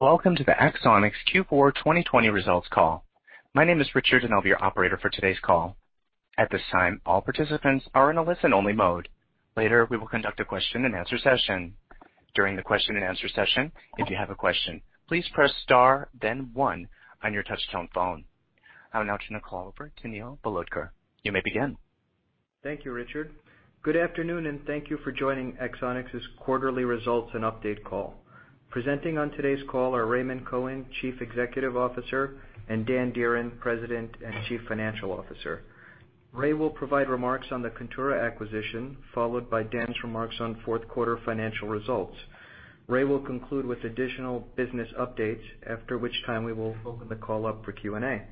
Welcome to the Axonics Q4 2020 results call. My name is Richard, and I'll be your operator for today's call. At this time, all participants are in a listen-only mode. Later, we will conduct a question and answer session. During the question and answer session, if you have a question, please press star then one on your touch-tone phone. I'll now turn the call over to Neil Bhalodkar. You may begin. Thank you, Richard. Good afternoon, and thank you for joining Axonics' quarterly results and update call. Presenting on today's call are Raymond Cohen, Chief Executive Officer, and Dan Dearen, President and Chief Financial Officer. Ray will provide remarks on the Contura acquisition, followed by Dan's remarks on fourth quarter financial results. Ray will conclude with additional business updates, after which time we will open the call up for Q&A.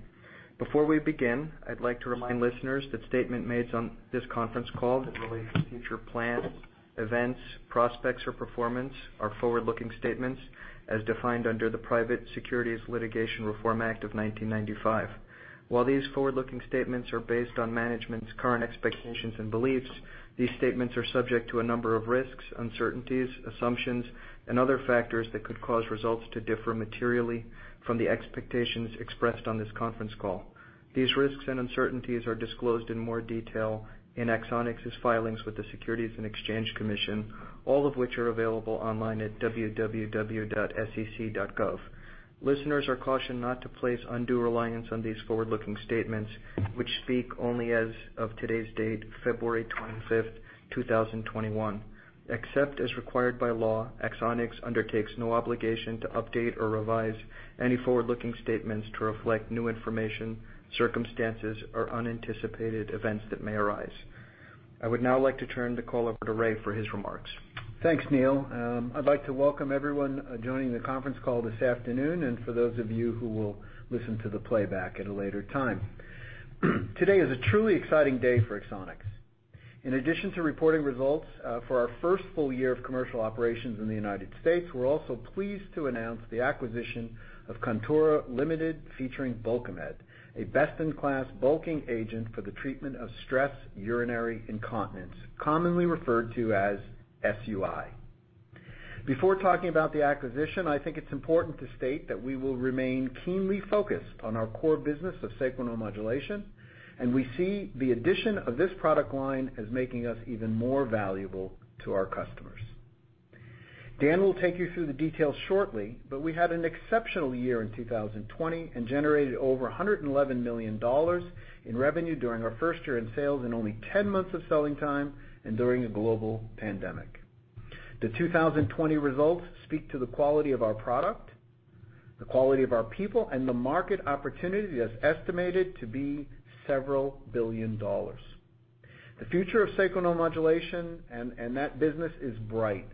Before we begin, I'd like to remind listeners that statement made on this conference call that relates to future plans, events, prospects, or performance are forward-looking statements as defined under the Private Securities Litigation Reform Act of 1995. While these forward-looking statements are based on management's current expectations and beliefs, these statements are subject to a number of risks, uncertainties, assumptions, and other factors that could cause results to differ materially from the expectations expressed on this conference call. These risks and uncertainties are disclosed in more detail in Axonics' filings with the Securities and Exchange Commission, all of which are available online at www.sec.gov. Listeners are cautioned not to place undue reliance on these forward-looking statements, which speak only as of today's date, February 25th, 2021. Except as required by law, Axonics undertakes no obligation to update or revise any forward-looking statements to reflect new information, circumstances, or unanticipated events that may arise. I would now like to turn the call over to Ray for his remarks. Thanks, Neil. I'd like to welcome everyone joining the conference call this afternoon and for those of you who will listen to the playback at a later time. Today is a truly exciting day for Axonics. In addition to reporting results for our first full year of commercial operations in the United States, we're also pleased to announce the acquisition of Contura Ltd, featuring Bulkamid, a best-in-class bulking agent for the treatment of stress urinary incontinence, commonly referred to as SUI. Before talking about the acquisition, I think it's important to state that we will remain keenly focused on our core business of sacral neuromodulation, and we see the addition of this product line as making us even more valuable to our customers. Dan will take you through the details shortly. We had an exceptional year in 2020 and generated over $111 million in revenue during our first year in sales in only 10 months of selling time and during a global pandemic. The 2020 results speak to the quality of our product, the quality of our people, and the market opportunity that's estimated to be several billion dollars. The future of sacral neuromodulation and that business is bright.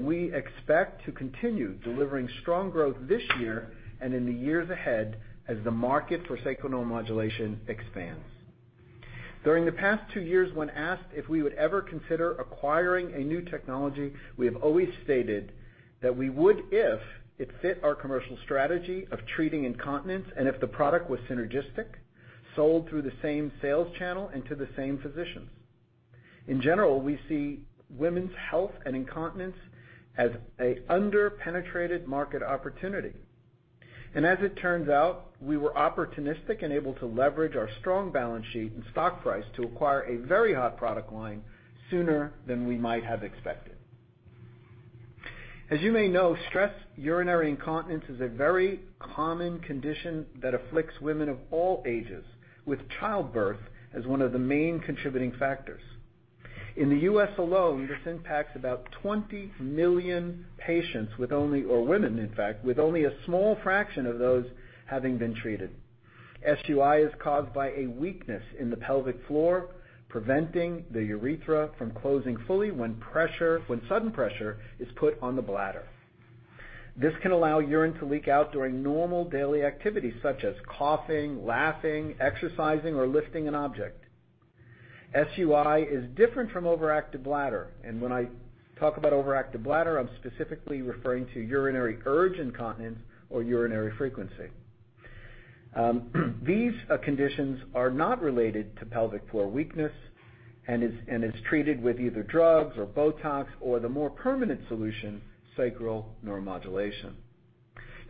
We expect to continue delivering strong growth this year and in the years ahead as the market for sacral neuromodulation expands. During the past two years, when asked if we would ever consider acquiring a new technology, we have always stated that we would if it fit our commercial strategy of treating incontinence and if the product was synergistic, sold through the same sales channel, and to the same physicians. In general, we see women's health and incontinence as an under-penetrated market opportunity. As it turns out, we were opportunistic and able to leverage our strong balance sheet and stock price to acquire a very hot product line sooner than we might have expected. As you may know, stress urinary incontinence is a very common condition that afflicts women of all ages, with childbirth as one of the main contributing factors. In the U.S. alone, this impacts about 20 million women, in fact, with only a small fraction of those having been treated. SUI is caused by a weakness in the pelvic floor, preventing the urethra from closing fully when sudden pressure is put on the bladder. This can allow urine to leak out during normal daily activities such as coughing, laughing, exercising, or lifting an object. SUI is different from overactive bladder, and when I talk about overactive bladder, I'm specifically referring to urinary urge incontinence or urinary frequency. These conditions are not related to pelvic floor weakness and is treated with either drugs or Botox or the more permanent solution, sacral neuromodulation.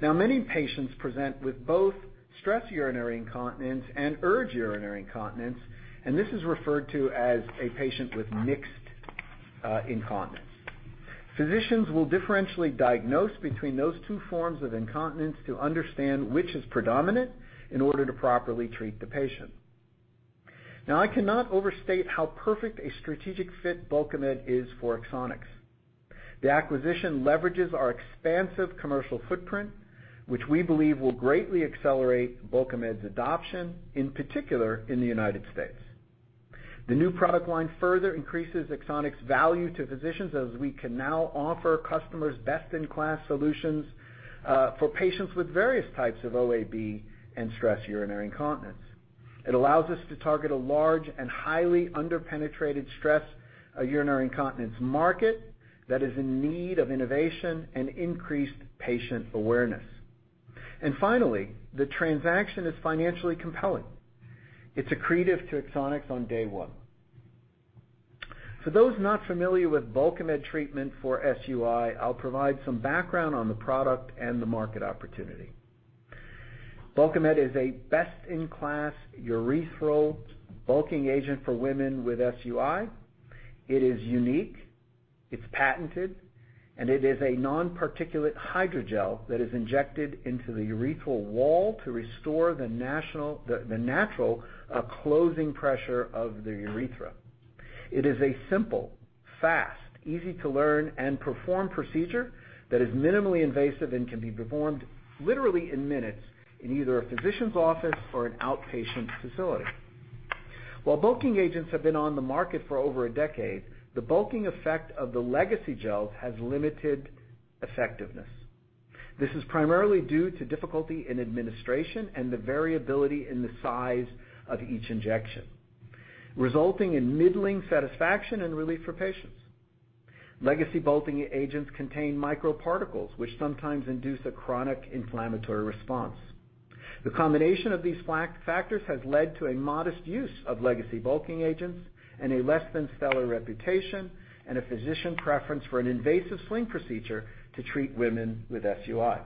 Now, many patients present with both stress urinary incontinence and urge urinary incontinence, and this is referred to as a patient with mixed incontinence. Physicians will differentially diagnose between those two forms of incontinence to understand which is predominant in order to properly treat the patient. Now, I cannot overstate how perfect a strategic fit Bulkamid is for Axonics. The acquisition leverages our expansive commercial footprint, which we believe will greatly accelerate Bulkamid's adoption, in particular in the United States. The new product line further increases Axonics' value to physicians as we can now offer customers best-in-class solutions for patients with various types of OAB and stress urinary incontinence. It allows us to target a large and highly under-penetrated stress urinary incontinence market that is in need of innovation and increased patient awareness. Finally, the transaction is financially compelling. It's accretive to Axonics on day one. For those not familiar with Bulkamid treatment for SUI, I'll provide some background on the product and the market opportunity. Bulkamid is a best-in-class urethral bulking agent for women with SUI. It is unique, it's patented, and it is a non-particulate hydrogel that is injected into the urethral wall to restore the natural closing pressure of the urethra. It is a simple, fast, easy-to-learn and perform procedure that is minimally invasive and can be performed literally in minutes in either a physician's office or an outpatient facility. While bulking agents have been on the market for over a decade, the bulking effect of the legacy gels has limited effectiveness. This is primarily due to difficulty in administration and the variability in the size of each injection, resulting in middling satisfaction and relief for patients. Legacy bulking agents contain microparticles, which sometimes induce a chronic inflammatory response. The combination of these factors has led to a modest use of legacy bulking agents and a less than stellar reputation, and a physician preference for an invasive sling procedure to treat women with SUI.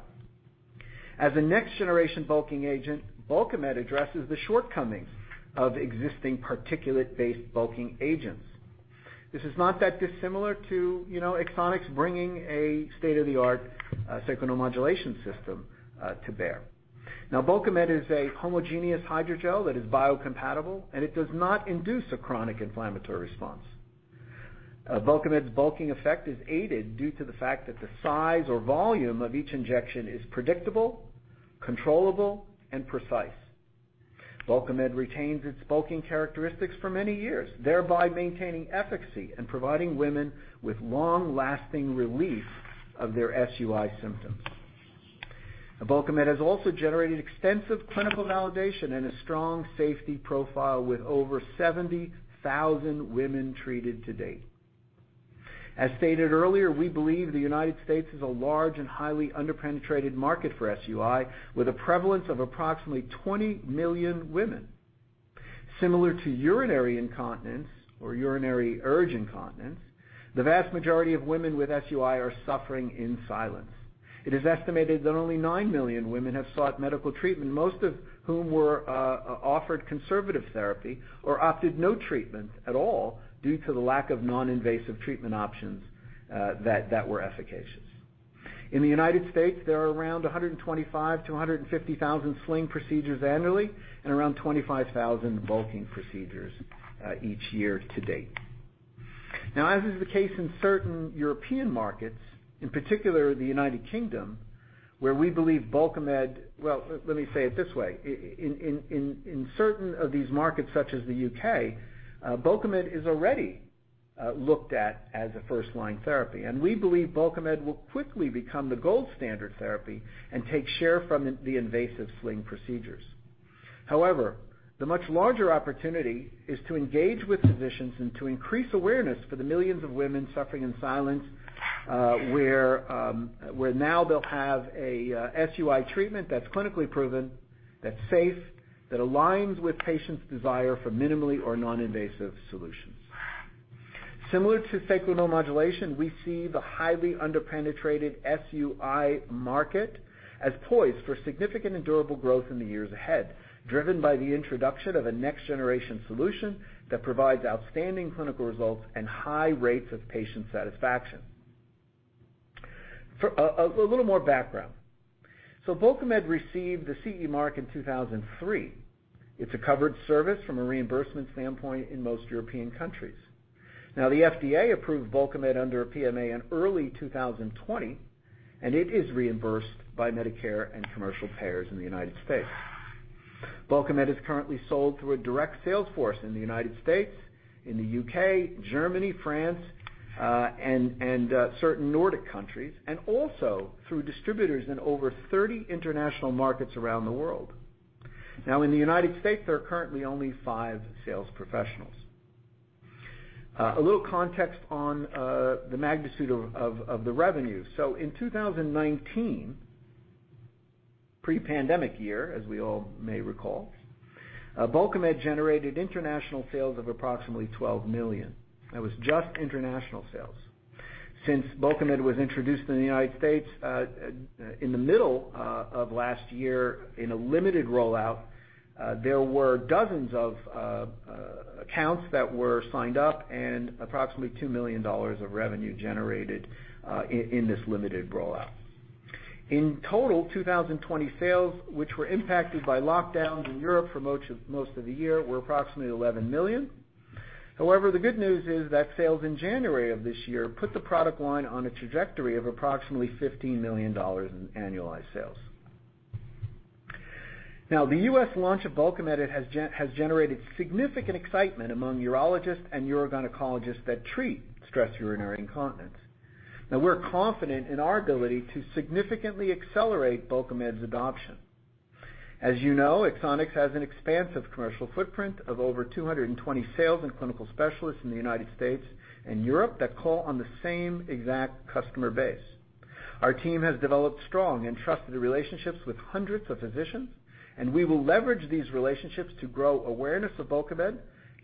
As a next-generation bulking agent, Bulkamid addresses the shortcomings of existing particulate-based bulking agents. This is not that dissimilar to Axonics bringing a state-of-the-art sacral neuromodulation system to bear. Bulkamid is a homogeneous hydrogel that is biocompatible, and it does not induce a chronic inflammatory response. Bulkamid's bulking effect is aided due to the fact that the size or volume of each injection is predictable, controllable, and precise. Bulkamid retains its bulking characteristics for many years, thereby maintaining efficacy and providing women with long-lasting relief of their SUI symptoms. Bulkamid has also generated extensive clinical validation and a strong safety profile, with over 70,000 women treated to date. As stated earlier, we believe the United States is a large and highly under-penetrated market for SUI, with a prevalence of approximately 20 million women. Similar to urinary incontinence or urinary urge incontinence, the vast majority of women with SUI are suffering in silence. It is estimated that only 9 million women have sought medical treatment, most of whom were offered conservative therapy or opted for no treatment at all due to the lack of non-invasive treatment options that were efficacious. In the United States, there are around 125,000-150,000 sling procedures annually, and around 25,000 bulking procedures each year to date. As is the case in certain European markets, in particular the United Kingdom, well, let me say it this way. In certain of these markets, such as the U.K., Bulkamid is already looked at as a first-line therapy, and we believe Bulkamid will quickly become the gold standard therapy and take share from the invasive sling procedures. However, the much larger opportunity is to engage with physicians and to increase awareness for the millions of women suffering in silence where now they'll have a SUI treatment that's clinically proven, that's safe, that aligns with patients' desire for minimally or non-invasive solutions. Similar to sacral neuromodulation, we see the highly under-penetrated SUI market as poised for significant and durable growth in the years ahead, driven by the introduction of a next-generation solution that provides outstanding clinical results and high rates of patient satisfaction. A little more background. Bulkamid received the CE mark in 2003. It's a covered service from a reimbursement standpoint in most European countries. The FDA approved Bulkamid under a PMA in early 2020, and it is reimbursed by Medicare and commercial payers in the United States. Bulkamid is currently sold through a direct sales force in the United States, in the U.K., Germany, France, and certain Nordic countries, and also through distributors in over 30 international markets around the world. In the United States, there are currently only five sales professionals. A little context on the magnitude of the revenue. In 2019, pre-pandemic year, as we all may recall, Bulkamid generated international sales of approximately $12 million. That was just international sales. Since Bulkamid was introduced in the United States in the middle of last year in a limited rollout, there were dozens of accounts that were signed up and approximately $2 million of revenue generated in this limited rollout. In total, 2020 sales, which were impacted by lockdowns in Europe for most of the year, were approximately $11 million. The good news is that sales in January of this year put the product line on a trajectory of approximately $15 million in annualized sales. The U.S. launch of Bulkamid has generated significant excitement among urologists and urogynecologists that treat stress urinary incontinence. We're confident in our ability to significantly accelerate Bulkamid's adoption. Axonics has an expansive commercial footprint of over 220 sales and clinical specialists in the United States and Europe that call on the same exact customer base. Our team has developed strong and trusted relationships with hundreds of physicians, and we will leverage these relationships to grow awareness of Bulkamid,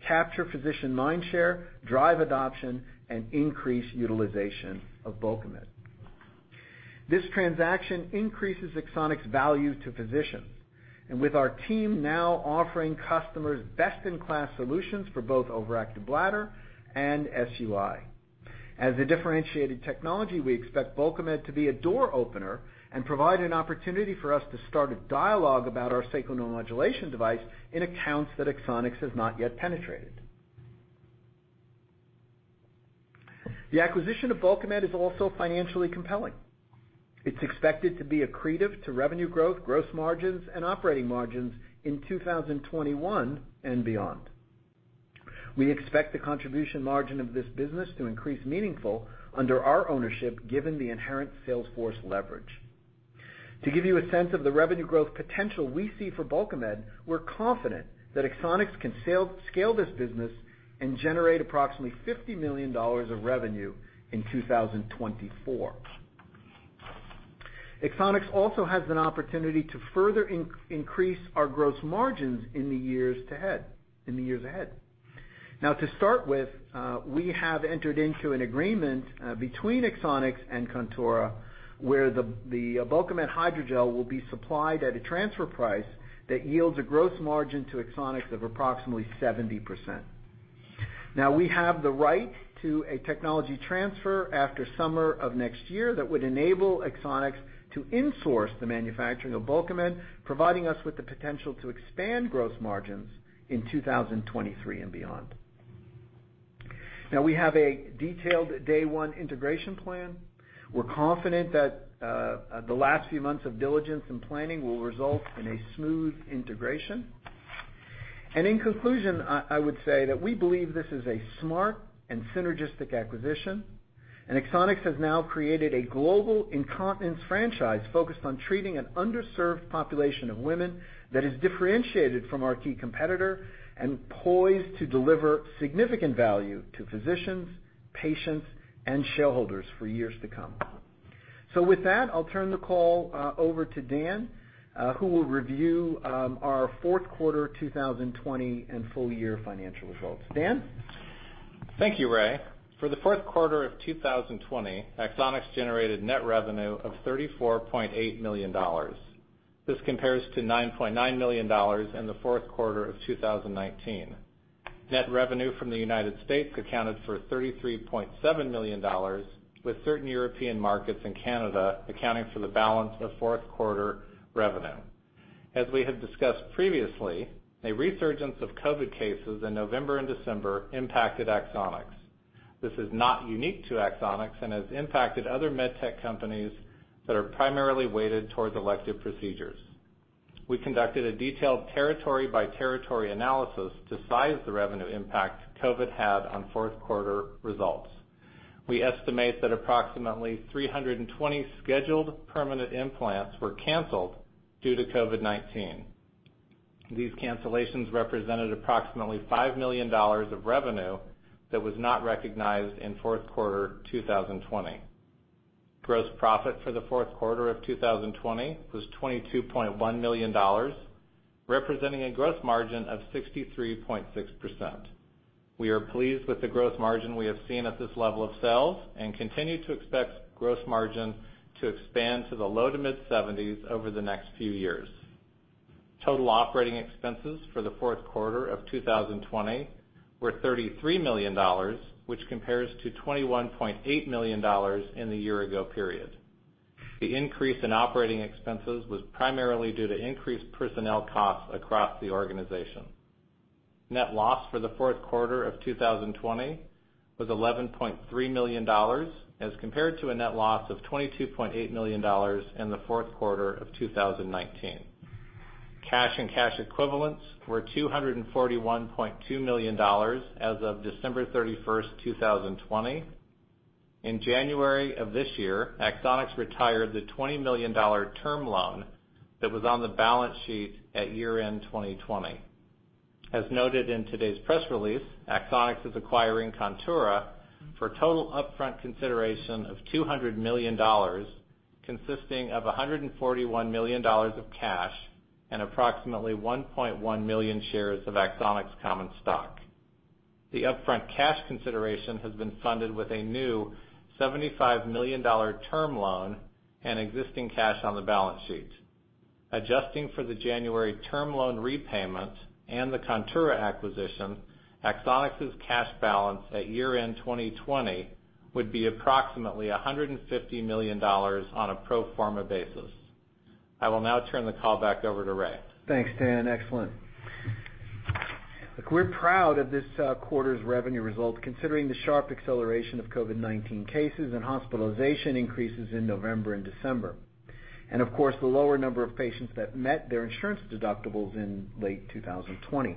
capture physician mind share, drive adoption, and increase utilization of Bulkamid. This transaction increases Axonics' value to physicians, and with our team now offering customers best-in-class solutions for both overactive bladder and SUI. As a differentiated technology, we expect Bulkamid to be a door opener and provide an opportunity for us to start a dialogue about our sacral neuromodulation device in accounts that Axonics has not yet penetrated. The acquisition of Bulkamid is also financially compelling. It's expected to be accretive to revenue growth, gross margins, and operating margins in 2021 and beyond. We expect the contribution margin of this business to increase meaningful under our ownership given the inherent sales force leverage. To give you a sense of the revenue growth potential we see for Bulkamid, we're confident that Axonics can scale this business and generate approximately $50 million of revenue in 2024. Axonics also has an opportunity to further increase our gross margins in the years ahead. To start with, we have entered into an agreement between Axonics and Contura, where the Bulkamid hydrogel will be supplied at a transfer price that yields a gross margin to Axonics of approximately 70%. We have the right to a technology transfer after summer of next year that would enable Axonics to insource the manufacturing of Bulkamid, providing us with the potential to expand gross margins in 2023 and beyond. We have a detailed day one integration plan. We're confident that the last few months of diligence and planning will result in a smooth integration. In conclusion, I would say that we believe this is a smart and synergistic acquisition, Axonics has now created a global incontinence franchise focused on treating an underserved population of women that is differentiated from our key competitor and poised to deliver significant value to physicians, patients, and shareholders for years to come. With that, I'll turn the call over to Dan, who will review our fourth quarter 2020 and full year financial results. Dan? Thank you, Ray. For the fourth quarter of 2020, Axonics generated net revenue of $34.8 million. This compares to $9.9 million in the fourth quarter of 2019. Net revenue from the United States accounted for $33.7 million, with certain European markets and Canada accounting for the balance of fourth quarter revenue. As we have discussed previously, a resurgence of COVID cases in November and December impacted Axonics. This is not unique to Axonics and has impacted other medtech companies that are primarily weighted towards elective procedures. We conducted a detailed territory-by-territory analysis to size the revenue impact COVID had on fourth quarter results. We estimate that approximately 320 scheduled permanent implants were canceled due to COVID-19. These cancellations represented approximately $5 million of revenue that was not recognized in fourth quarter 2020. Gross profit for the fourth quarter of 2020 was $22.1 million, representing a gross margin of 63.6%. We are pleased with the gross margin we have seen at this level of sales and continue to expect gross margin to expand to the low to mid-70%s over the next few years. Total operating expenses for the fourth quarter of 2020 were $33 million, which compares to $21.8 million in the year ago period. The increase in operating expenses was primarily due to increased personnel costs across the organization. Net loss for the fourth quarter of 2020 was $11.3 million as compared to a net loss of $22.8 million in the fourth quarter of 2019. Cash and cash equivalents were $241.2 million as of December 31st, 2020. In January of this year, Axonics retired the $20 million term loan that was on the balance sheet at year-end 2020. As noted in today's press release, Axonics is acquiring Contura for a total upfront consideration of $200 million, consisting of $141 million of cash and approximately 1.1 million shares of Axonics common stock. The upfront cash consideration has been funded with a new $75 million term loan and existing cash on the balance sheet. Adjusting for the January term loan repayment and the Contura acquisition, Axonics' cash balance at year-end 2020 would be approximately $150 million on a pro forma basis. I will now turn the call back over to Ray. Thanks, Dan. Excellent. Look, we're proud of this quarter's revenue result, considering the sharp acceleration of COVID-19 cases and hospitalization increases in November and December. Of course, the lower number of patients that met their insurance deductibles in late 2020.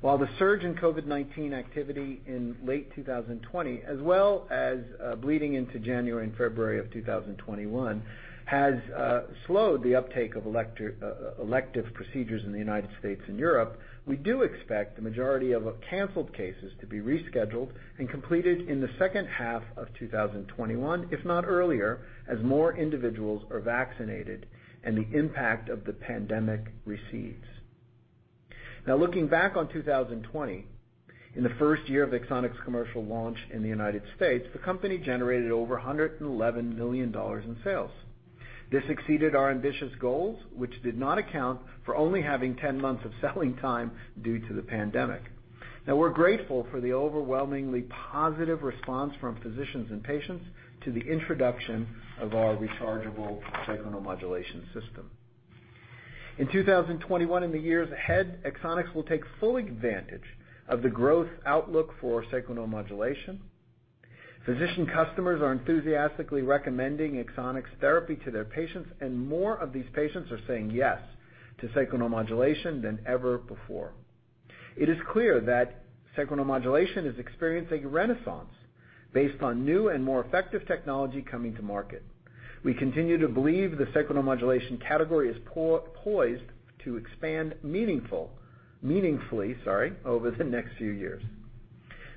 While the surge in COVID-19 activity in late 2020, as well as bleeding into January and February of 2021, has slowed the uptake of elective procedures in the United States and Europe, we do expect the majority of canceled cases to be rescheduled and completed in the second half of 2021, if not earlier, as more individuals are vaccinated and the impact of the pandemic recedes. Looking back on 2020, in the first year of Axonics' commercial launch in the United States, the company generated over $111 million in sales. This exceeded our ambitious goals, which did not account for only having 10 months of selling time due to the pandemic. Now we're grateful for the overwhelmingly positive response from physicians and patients to the introduction of our rechargeable sacral neuromodulation system. In 2021 and the years ahead, Axonics will take full advantage of the growth outlook for sacral neuromodulation. Physician customers are enthusiastically recommending Axonics therapy to their patients, and more of these patients are saying yes to sacral neuromodulation than ever before. It is clear that sacral neuromodulation is experiencing a renaissance based on new and more effective technology coming to market. We continue to believe the sacral neuromodulation category is poised to expand meaningfully over the next few years.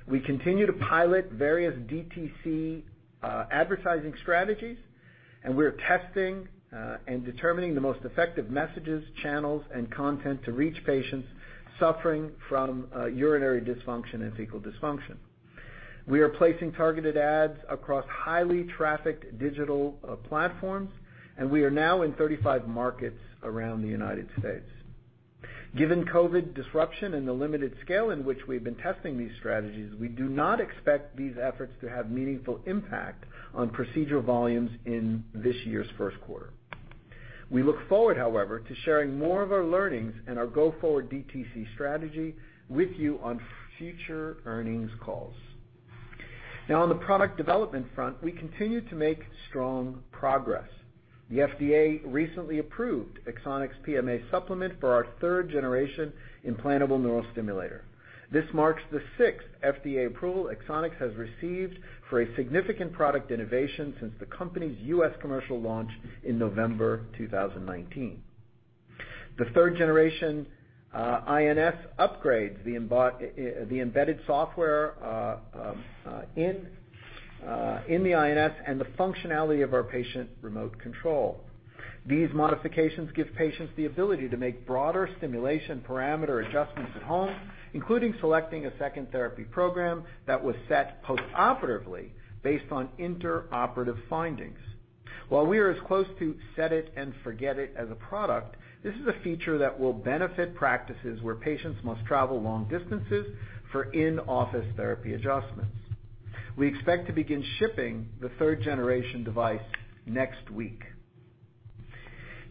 We continue to pilot various DTC advertising strategies, and we're testing and determining the most effective messages, channels, and content to reach patients suffering from urinary dysfunction and fecal dysfunction. We are placing targeted ads across highly trafficked digital platforms, and we are now in 35 markets around the United States. Given COVID disruption and the limited scale in which we've been testing these strategies, we do not expect these efforts to have a meaningful impact on procedural volumes in this year's first quarter. We look forward, however, to sharing more of our learnings and our go-forward DTC strategy with you on future earnings calls. Now, on the product development front, we continue to make strong progress. The FDA recently approved Axonics' PMA supplement for our third-generation implantable neurostimulator. This marks the sixth FDA approval Axonics has received for a significant product innovation since the company's U.S. commercial launch in November 2019. The third-generation INS upgrades the embedded software in the INS and the functionality of our patient remote control. These modifications give patients the ability to make broader stimulation parameter adjustments at home, including selecting a second therapy program that was set postoperatively based on intraoperative findings. While we are as close to set it and forget it as a product, this is a feature that will benefit practices where patients must travel long distances for in-office therapy adjustments. We expect to begin shipping the third-generation device next week.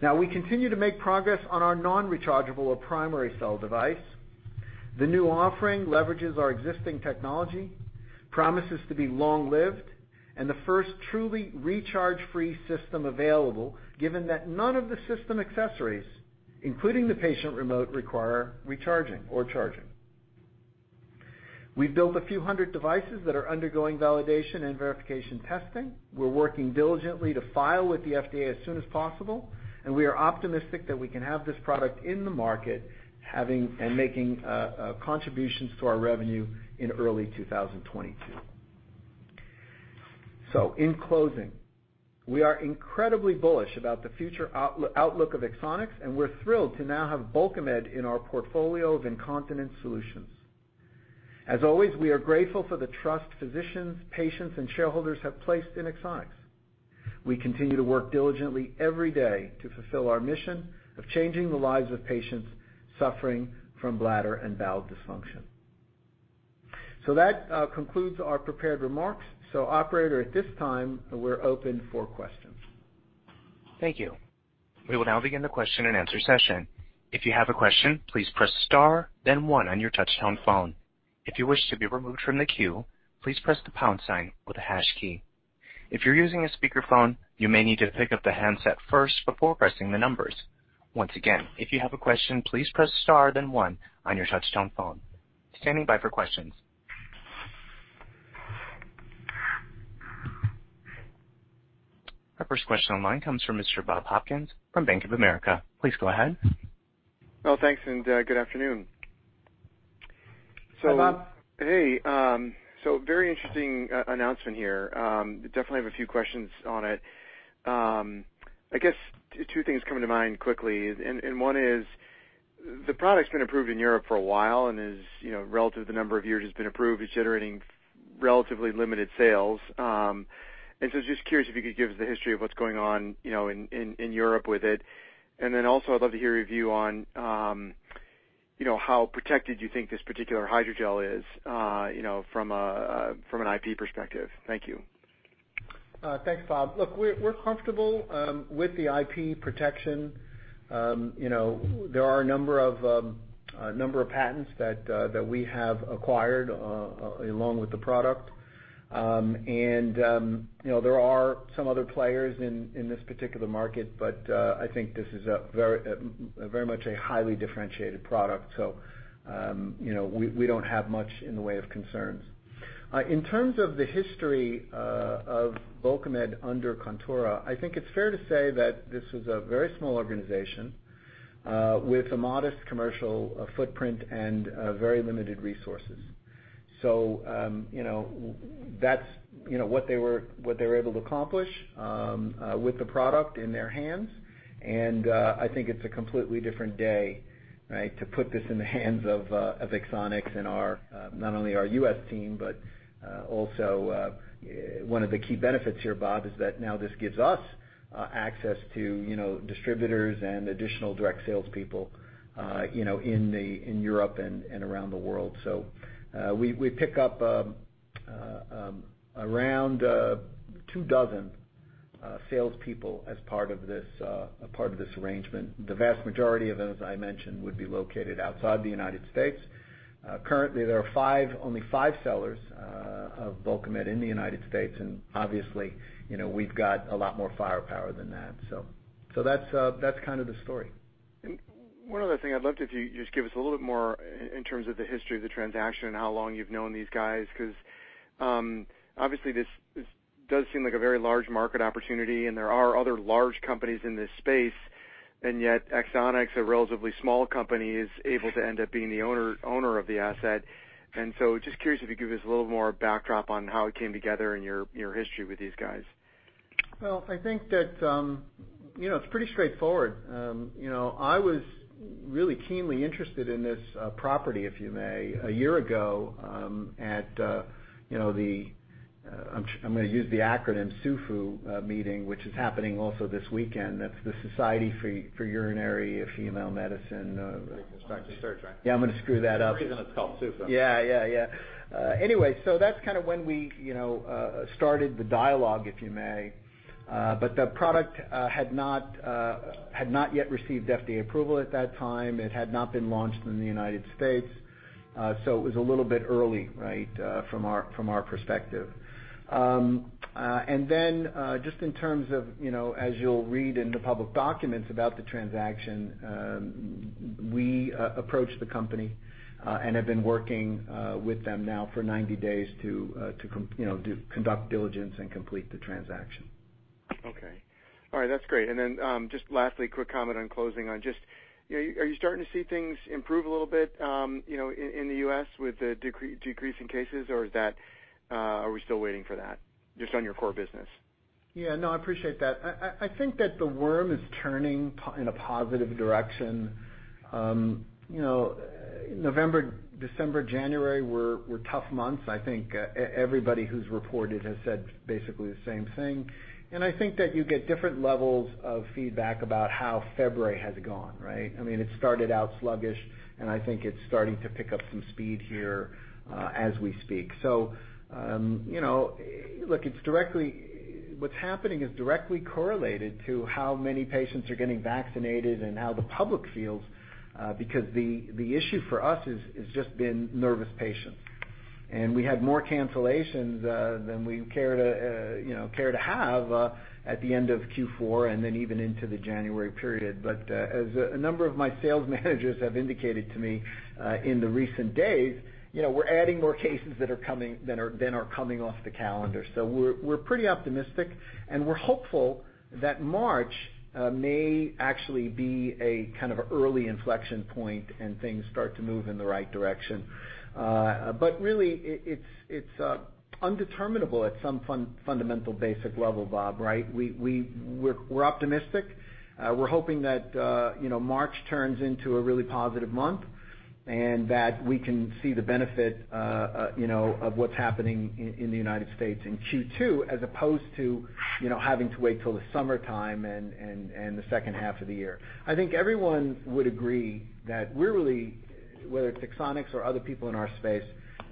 We continue to make progress on our non-rechargeable or primary cell device. The new offering leverages our existing technology, promises to be long-lived, and the first truly recharge-free system available, given that none of the system accessories, including the patient remote, require recharging or charging. We've built a few 100 devices that are undergoing validation and verification testing. We're working diligently to file with the FDA as soon as possible. We are optimistic that we can have this product in the market and making contributions to our revenue in early 2022. In closing, we are incredibly bullish about the future outlook of Axonics. We're thrilled to now have Bulkamid in our portfolio of incontinence solutions. As always, we are grateful for the trust physicians, patients, and shareholders have placed in Axonics. We continue to work diligently every day to fulfill our mission of changing the lives of patients suffering from bladder and bowel dysfunction. That concludes our prepared remarks. Operator, at this time, we're open for questions. Thank you. We will now begin the question and answer session. If you have a question, please press star then one on your touch-tone phone. If you wish to be removed from the queue, please press the pound sign or the hash key. If you're using a speakerphone, you may need to pick up the handset first before pressing the numbers. Once again, if you have a question, please press star then one on your touch-tone phone. Standing by for questions. Our first question online comes from Mr. Bob Hopkins from Bank of America. Please go ahead. Well, thanks, and good afternoon. Hi, Bob. Hey. Very interesting announcement here. Definitely have a few questions on it. I guess two things come to mind quickly, one is the product's been approved in Europe for a while and is, relative to the number of years it's been approved, it's generating relatively limited sales. Just curious if you could give us the history of what's going on in Europe with it. I'd love to hear your view on how protected you think this particular hydrogel is from an IP perspective. Thank you. Thanks, Bob. Look, we're comfortable with the IP protection. There are a number of patents that we have acquired along with the product. There are some other players in this particular market, but I think this is very much a highly differentiated product, so we don't have much in the way of concerns. In terms of the history of Bulkamid under Contura, I think it's fair to say that this was a very small organization with a modest commercial footprint and very limited resources. That's what they were able to accomplish with the product in their hands, and I think it's a completely different day to put this in the hands of Axonics and not only our U.S. team, but also one of the key benefits here, Bob, is that now this gives us access to distributors and additional direct salespeople in Europe and around the world. We pick up around two dozen salespeople as part of this arrangement. The vast majority of them, as I mentioned, would be located outside the United States. Currently, there are only five sellers of Bulkamid in the United States, and obviously, we've got a lot more firepower than that. That's kind of the story. One other thing I'd love if you just give us a little bit more in terms of the history of the transaction and how long you've known these guys, because obviously this does seem like a very large market opportunity, and there are other large companies in this space, and yet Axonics, a relatively small company, is able to end up being the owner of the asset. Just curious if you could give us a little more backdrop on how it came together and your history with these guys. Well, I think that it's pretty straightforward. I was really keenly interested in this property, if you may, a year ago, at the I'm going to use the acronym SUFU meeting, which is happening also this weekend. That's the Society of Urodynamics, Female Pelvic Medicine & Urogenital Reconstruction. For construction, right? Yeah, I'm going to screw that up. There's a reason it's called SUFU. Yeah. Anyway, so that's kind of when we started the dialogue, if you may. The product had not yet received FDA approval at that time. It had not been launched in the United States. It was a little bit early from our perspective. Just in terms of as you'll read in the public documents about the transaction, we approached the company, and have been working with them now for 90 days to conduct diligence and complete the transaction. Okay. All right, that's great. Then just lastly, quick comment on closing on just are you starting to see things improve a little bit in the U.S. with the decrease in cases, or are we still waiting for that, just on your core business? Yeah, no, I appreciate that. I think that the worm is turning in a positive direction. November, December, January were tough months. I think everybody who's reported has said basically the same thing. I think that you get different levels of feedback about how February has gone. It started out sluggish. I think it's starting to pick up some speed here as we speak. Look, what's happening is directly correlated to how many patients are getting vaccinated and how the public feels, because the issue for us has just been nervous patients. We had more cancellations than we care to have at the end of Q4, and then even into the January period. As a number of my sales managers have indicated to me in the recent days, we're adding more cases than are coming off the calendar. We're pretty optimistic, and we're hopeful that March may actually be a kind of early inflection point and things start to move in the right direction. Really, it's undeterminable at some fundamental basic level, Bob. We're optimistic. We're hoping that March turns into a really positive month, and that we can see the benefit of what's happening in the United States in Q2 as opposed to having to wait till the summertime and the second half of the year. I think everyone would agree that we're really, whether it's Axonics or other people in our space,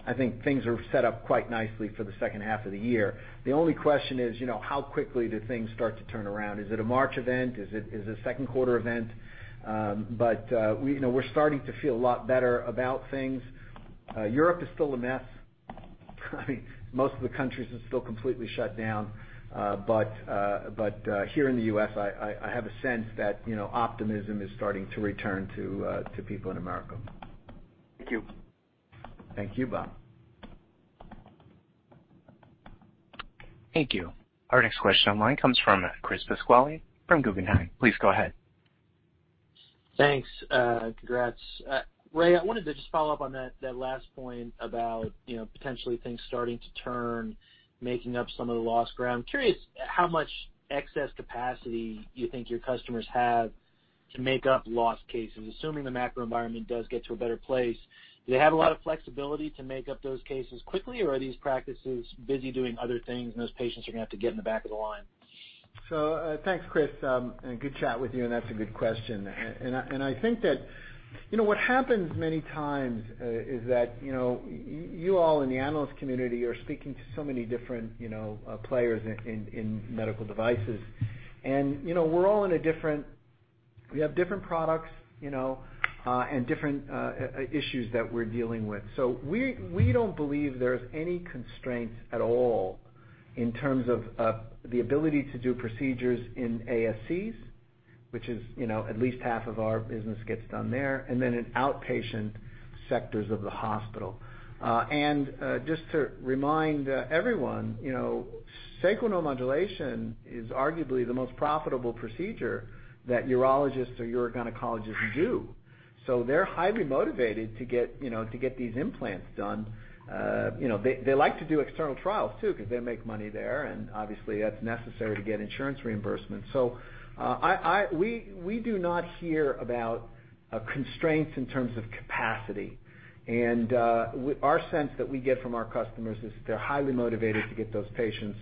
I think things are set up quite nicely for the second half of the year. The only question is, how quickly do things start to turn around? Is it a March event? Is it a second quarter event? We're starting to feel a lot better about things. Europe is still a mess. Most of the countries are still completely shut down. Here in the U.S., I have a sense that optimism is starting to return to people in America. Thank you. Thank you, Bob. Thank you. Our next question online comes from Chris Pasquale from Guggenheim. Please go ahead. Thanks. Congrats. Ray, I wanted to just follow up on that last point about potentially things starting to turn, making up some of the lost ground. I'm curious how much excess capacity you think your customers have to make up lost cases. Assuming the macro environment does get to a better place, do they have a lot of flexibility to make up those cases quickly, or are these practices busy doing other things and those patients are going to have to get in the back of the line? Thanks, Chris. Good chat with you. That's a good question. I think that what happens many times is that you all in the analyst community are speaking to so many different players in medical devices, and we have different products and different issues that we're dealing with. We don't believe there's any constraints at all in terms of the ability to do procedures in ASCs, which is at least half of our business gets done there, and then in outpatient sectors of the hospital. Just to remind everyone, sacral neuromodulation is arguably the most profitable procedure that urologists or urogynecologists do. So they're highly motivated to get these implants done. They like to do external trials too, because they make money there, and obviously that's necessary to get insurance reimbursement. We do not hear about constraints in terms of capacity. Our sense that we get from our customers is they're highly motivated to get those patients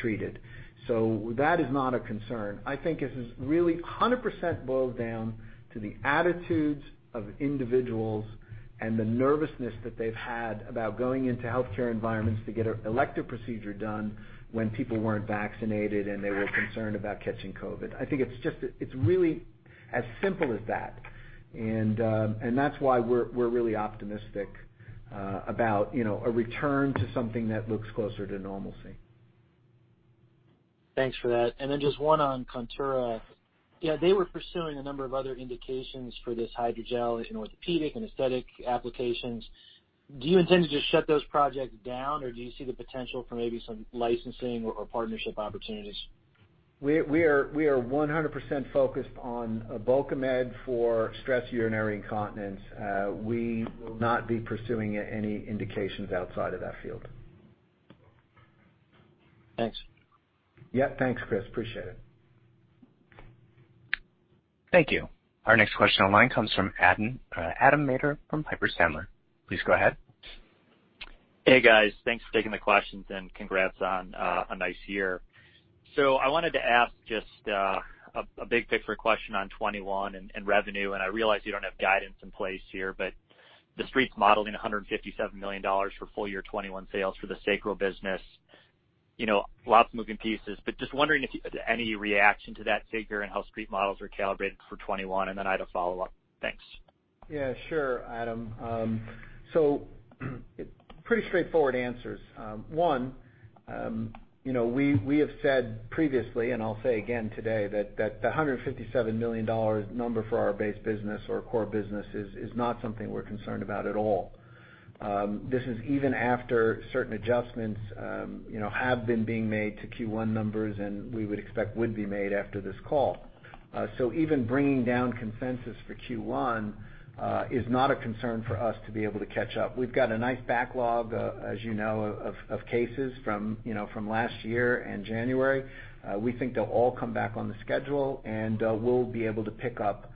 treated. That is not a concern. I think this is really 100% boiled down to the attitudes of individuals and the nervousness that they've had about going into healthcare environments to get an elective procedure done when people weren't vaccinated and they were concerned about catching COVID-19. I think it's really as simple as that. That's why we're really optimistic about a return to something that looks closer to normalcy. Thanks for that. Just one on Contura. They were pursuing a number of other indications for this hydrogel in orthopedic and aesthetic applications. Do you intend to just shut those projects down, or do you see the potential for maybe some licensing or partnership opportunities? We are 100% focused on Bulkamid for stress urinary incontinence. We will not be pursuing any indications outside of that field. Thanks. Yeah. Thanks, Chris. Appreciate it. Thank you. Our next question online comes from Adam Maeder from Piper Sandler. Please go ahead. Hey, guys. Thanks for taking the questions and congrats on a nice year. I wanted to ask just a big-picture question on 2021 and revenue, and I realize you don't have guidance in place here, but The Street's modeling $157 million for full-year 2021 sales for the sacral business. Lots of moving pieces, but just wondering if any reaction to that figure and how Street models are calibrated for 2021. I had a follow-up. Thanks. Yeah, sure, Adam. Pretty straightforward answers. One, we have said previously, and I'll say again today, that the $157 million number for our base business or core business is not something we're concerned about at all. This is even after certain adjustments have been being made to Q1 numbers, and we would expect would be made after this call. Even bringing down consensus for Q1 is not a concern for us to be able to catch up. We've got a nice backlog, as you know, of cases from last year and January. We think they'll all come back on the schedule, and we'll be able to pick up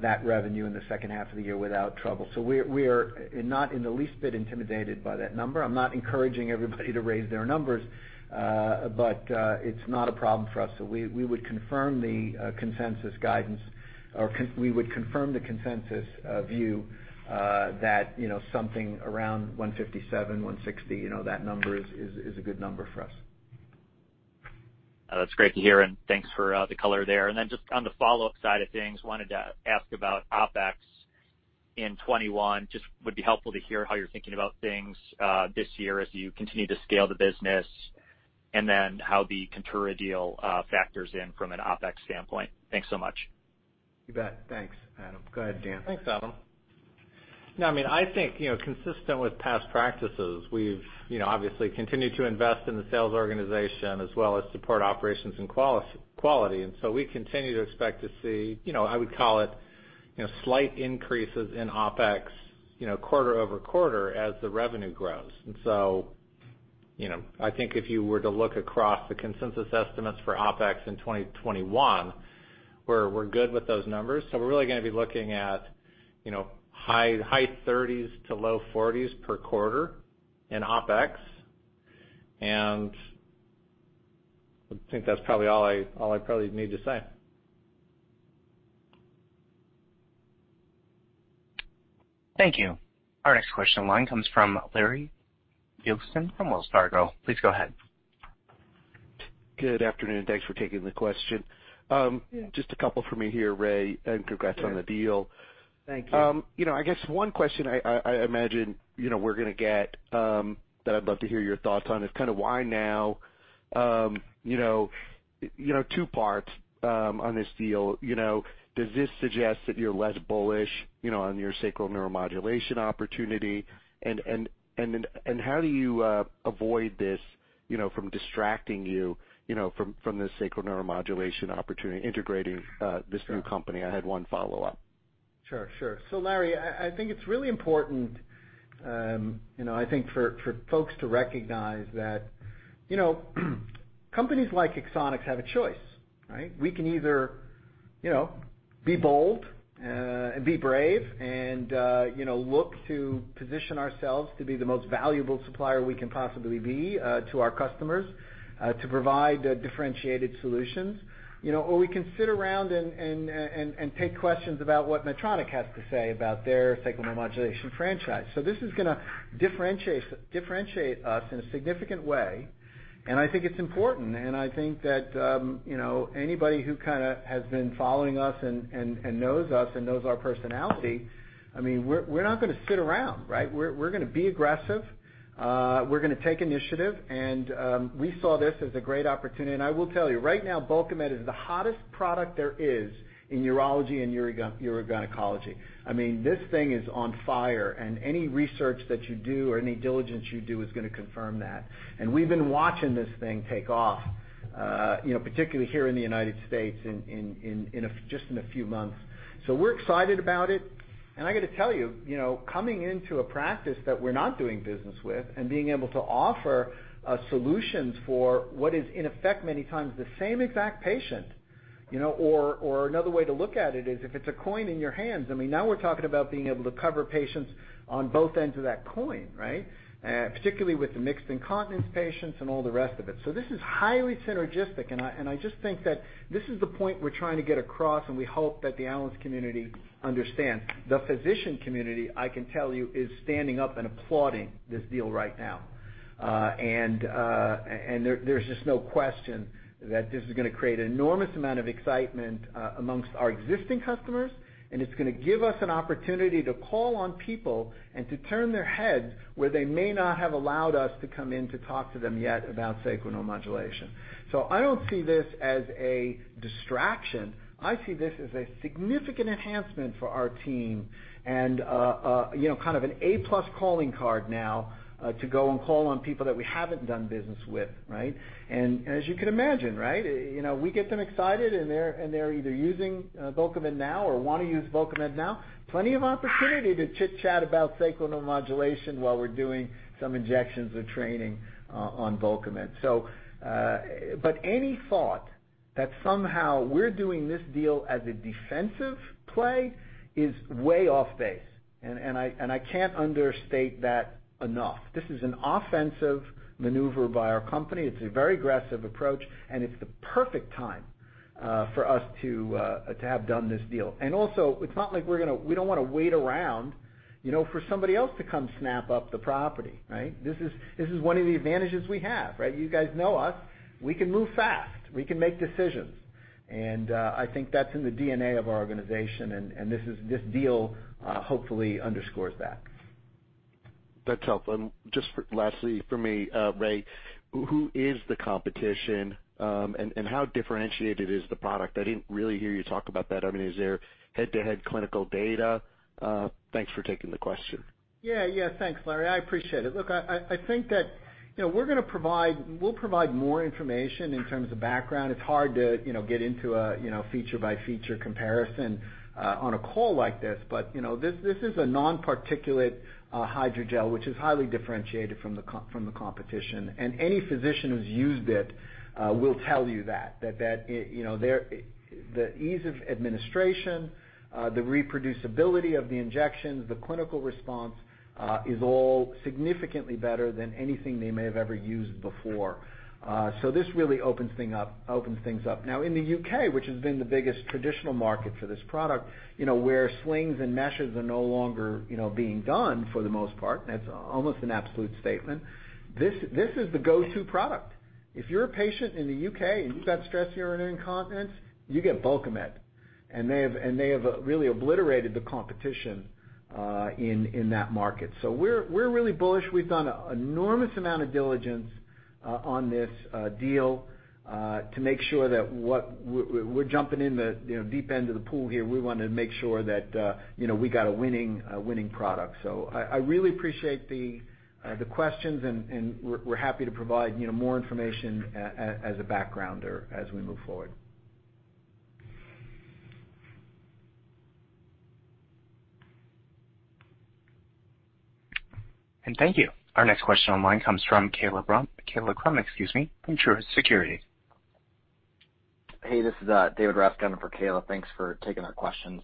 that revenue in the second half of the year without trouble. We are not in the least bit intimidated by that number. I'm not encouraging everybody to raise their numbers, but it's not a problem for us. We would confirm the consensus guidance, or we would confirm the consensus view that something around $157 million, $160 million, that number is a good number for us. That's great to hear, and thanks for the color there. Just on the follow-up side of things, wanted to ask about OpEx in 2021. Just would be helpful to hear how you're thinking about things this year as you continue to scale the business, and then how the Contura deal factors in from an OpEx standpoint. Thanks so much. You bet. Thanks, Adam. Go ahead, Dan. Thanks, Adam. I think consistent with past practices, we've obviously continued to invest in the sales organization as well as support operations and quality. We continue to expect to see, I would call it slight increases in OpEx quarter over quarter as the revenue grows. I think if you were to look across the consensus estimates for OpEx in 2021, we're good with those numbers. So we're really going to be looking at high $30s to low $40s per quarter in OpEx. I think that's probably all I need to say. Thank you. Our next question line comes from Larry Biegelsen from Wells Fargo. Please go ahead. Good afternoon. Thanks for taking the question. Just a couple from me here, Ray, and congrats on the deal. Thank you. I guess one question I imagine we're going to get that I'd love to hear your thoughts on is kind of why now, two parts on this deal. Does this suggest that you're less bullish on your sacral neuromodulation opportunity? How do you avoid this from distracting you from this sacral neuromodulation opportunity, integrating this new company? I had one follow-up. Sure. Larry, I think it's really important I think for folks to recognize that companies like Axonics have a choice, right? We can either be bold and be brave and look to position ourselves to be the most valuable supplier we can possibly be to our customers to provide differentiated solutions. Or we can sit around and take questions about what Medtronic has to say about their sacral neuromodulation franchise. This is going to differentiate us in a significant way, and I think it's important, and I think that anybody who kind of has been following us and knows us and knows our personality, we're not going to sit around, right? We're going to be aggressive. We're going to take initiative, and we saw this as a great opportunity. I will tell you, right now, Bulkamid is the hottest product there is in urology and urogynecology. This thing is on fire, and any research that you do or any diligence you do is going to confirm that. We've been watching this thing take off, particularly here in the United States, in just a few months. We're excited about it. I got to tell you, coming into a practice that we're not doing business with and being able to offer solutions for what is in effect, many times the same exact patient, or another way to look at it is if it's a coin in your hands. Now we're talking about being able to cover patients on both ends of that coin, right? Particularly with the mixed incontinence patients and all the rest of it. This is highly synergistic and I just think that this is the point we're trying to get across, and we hope that the analyst community understand. The physician community, I can tell you, is standing up and applauding this deal right now. There's just no question that this is going to create an enormous amount of excitement amongst our existing customers, and it's going to give us an opportunity to call on people and to turn their heads where they may not have allowed us to come in to talk to them yet about sacral neuromodulation. I don't see this as a distraction. I see this as a significant enhancement for our team and kind of an A-plus calling card now to go and call on people that we haven't done business with, right? As you can imagine, we get them excited and they're either using Bulkamid now or want to use Bulkamid now, plenty of opportunity to chit-chat about sacral neuromodulation while we're doing some injections or training on Bulkamid. Any thought that somehow we're doing this deal as a defensive play is way off base, I can't understate that enough. This is an offensive maneuver by our company. It's a very aggressive approach, it's the perfect time for us to have done this deal. Also, we don't want to wait around for somebody else to come snap up the property, right? This is one of the advantages we have, right? You guys know us. We can move fast. We can make decisions. I think that's in the DNA of our organization, this deal hopefully underscores that. That's helpful. Just lastly from me Ray, who is the competition, and how differentiated is the product? I didn't really hear you talk about that. Is there head-to-head clinical data? Thanks for taking the question. Thanks, Larry. I appreciate it. Look, I think that we'll provide more information in terms of background. This is a non-particulate hydrogel, which is highly differentiated from the competition. Any physician who's used it will tell you that the ease of administration, the reproducibility of the injections, the clinical response is all significantly better than anything they may have ever used before. This really opens things up. Now in the U.K., which has been the biggest traditional market for this product where slings and meshes are no longer being done for the most part, and that's almost an absolute statement. This is the go-to product. If you're a patient in the U.K. and you've got stress urinary incontinence, you get Bulkamid. They have really obliterated the competition in that market. We're really bullish. We've done an enormous amount of diligence on this deal to make sure that we're jumping in the deep end of the pool here. We want to make sure that we got a winning product. I really appreciate the questions, and we're happy to provide more information as a backgrounder as we move forward. Thank you. Our next question online comes from Kaila Krum, excuse me, from Truist Securities. Hey, this is David Rescott on for Kaila. Thanks for taking our questions.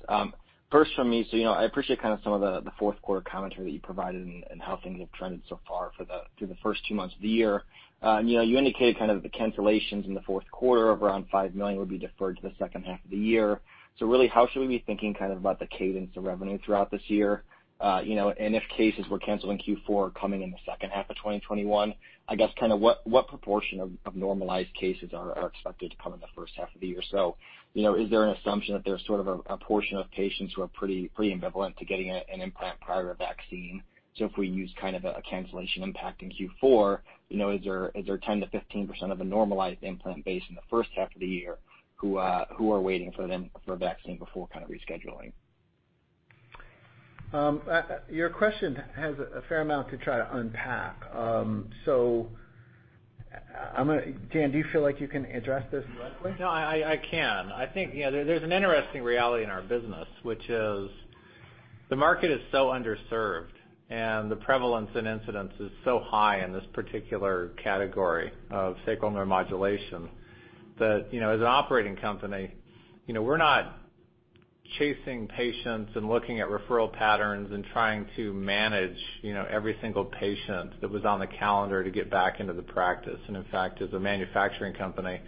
First from me, I appreciate kind of some of the fourth quarter commentary that you provided and how things have trended so far through the first two months of the year. You indicated kind of the cancellations in the fourth quarter of around $5 million would be deferred to the second half of the year. Really, how should we be thinking kind of about the cadence of revenue throughout this year? If cases were canceled in Q4 coming in the second half of 2021, I guess kind of what proportion of normalized cases are expected to come in the first half of the year? Is there an assumption that there's sort of a portion of patients who are pretty ambivalent to getting an implant prior to vaccine? If we use kind of a cancellation impact in Q4, is there 10%-15% of a normalized implant base in the first half of the year who are waiting for vaccine before kind of rescheduling? Your question has a fair amount to try to unpack. Dan, do you feel like you can address this directly? No, I can. I think there's an interesting reality in our business, which is the market is so underserved, and the prevalence and incidence is so high in this particular category of sacral neuromodulation that as an operating company, we're not chasing patients and looking at referral patterns and trying to manage every single patient that was on the calendar to get back into the practice. In fact, as a manufacturing company,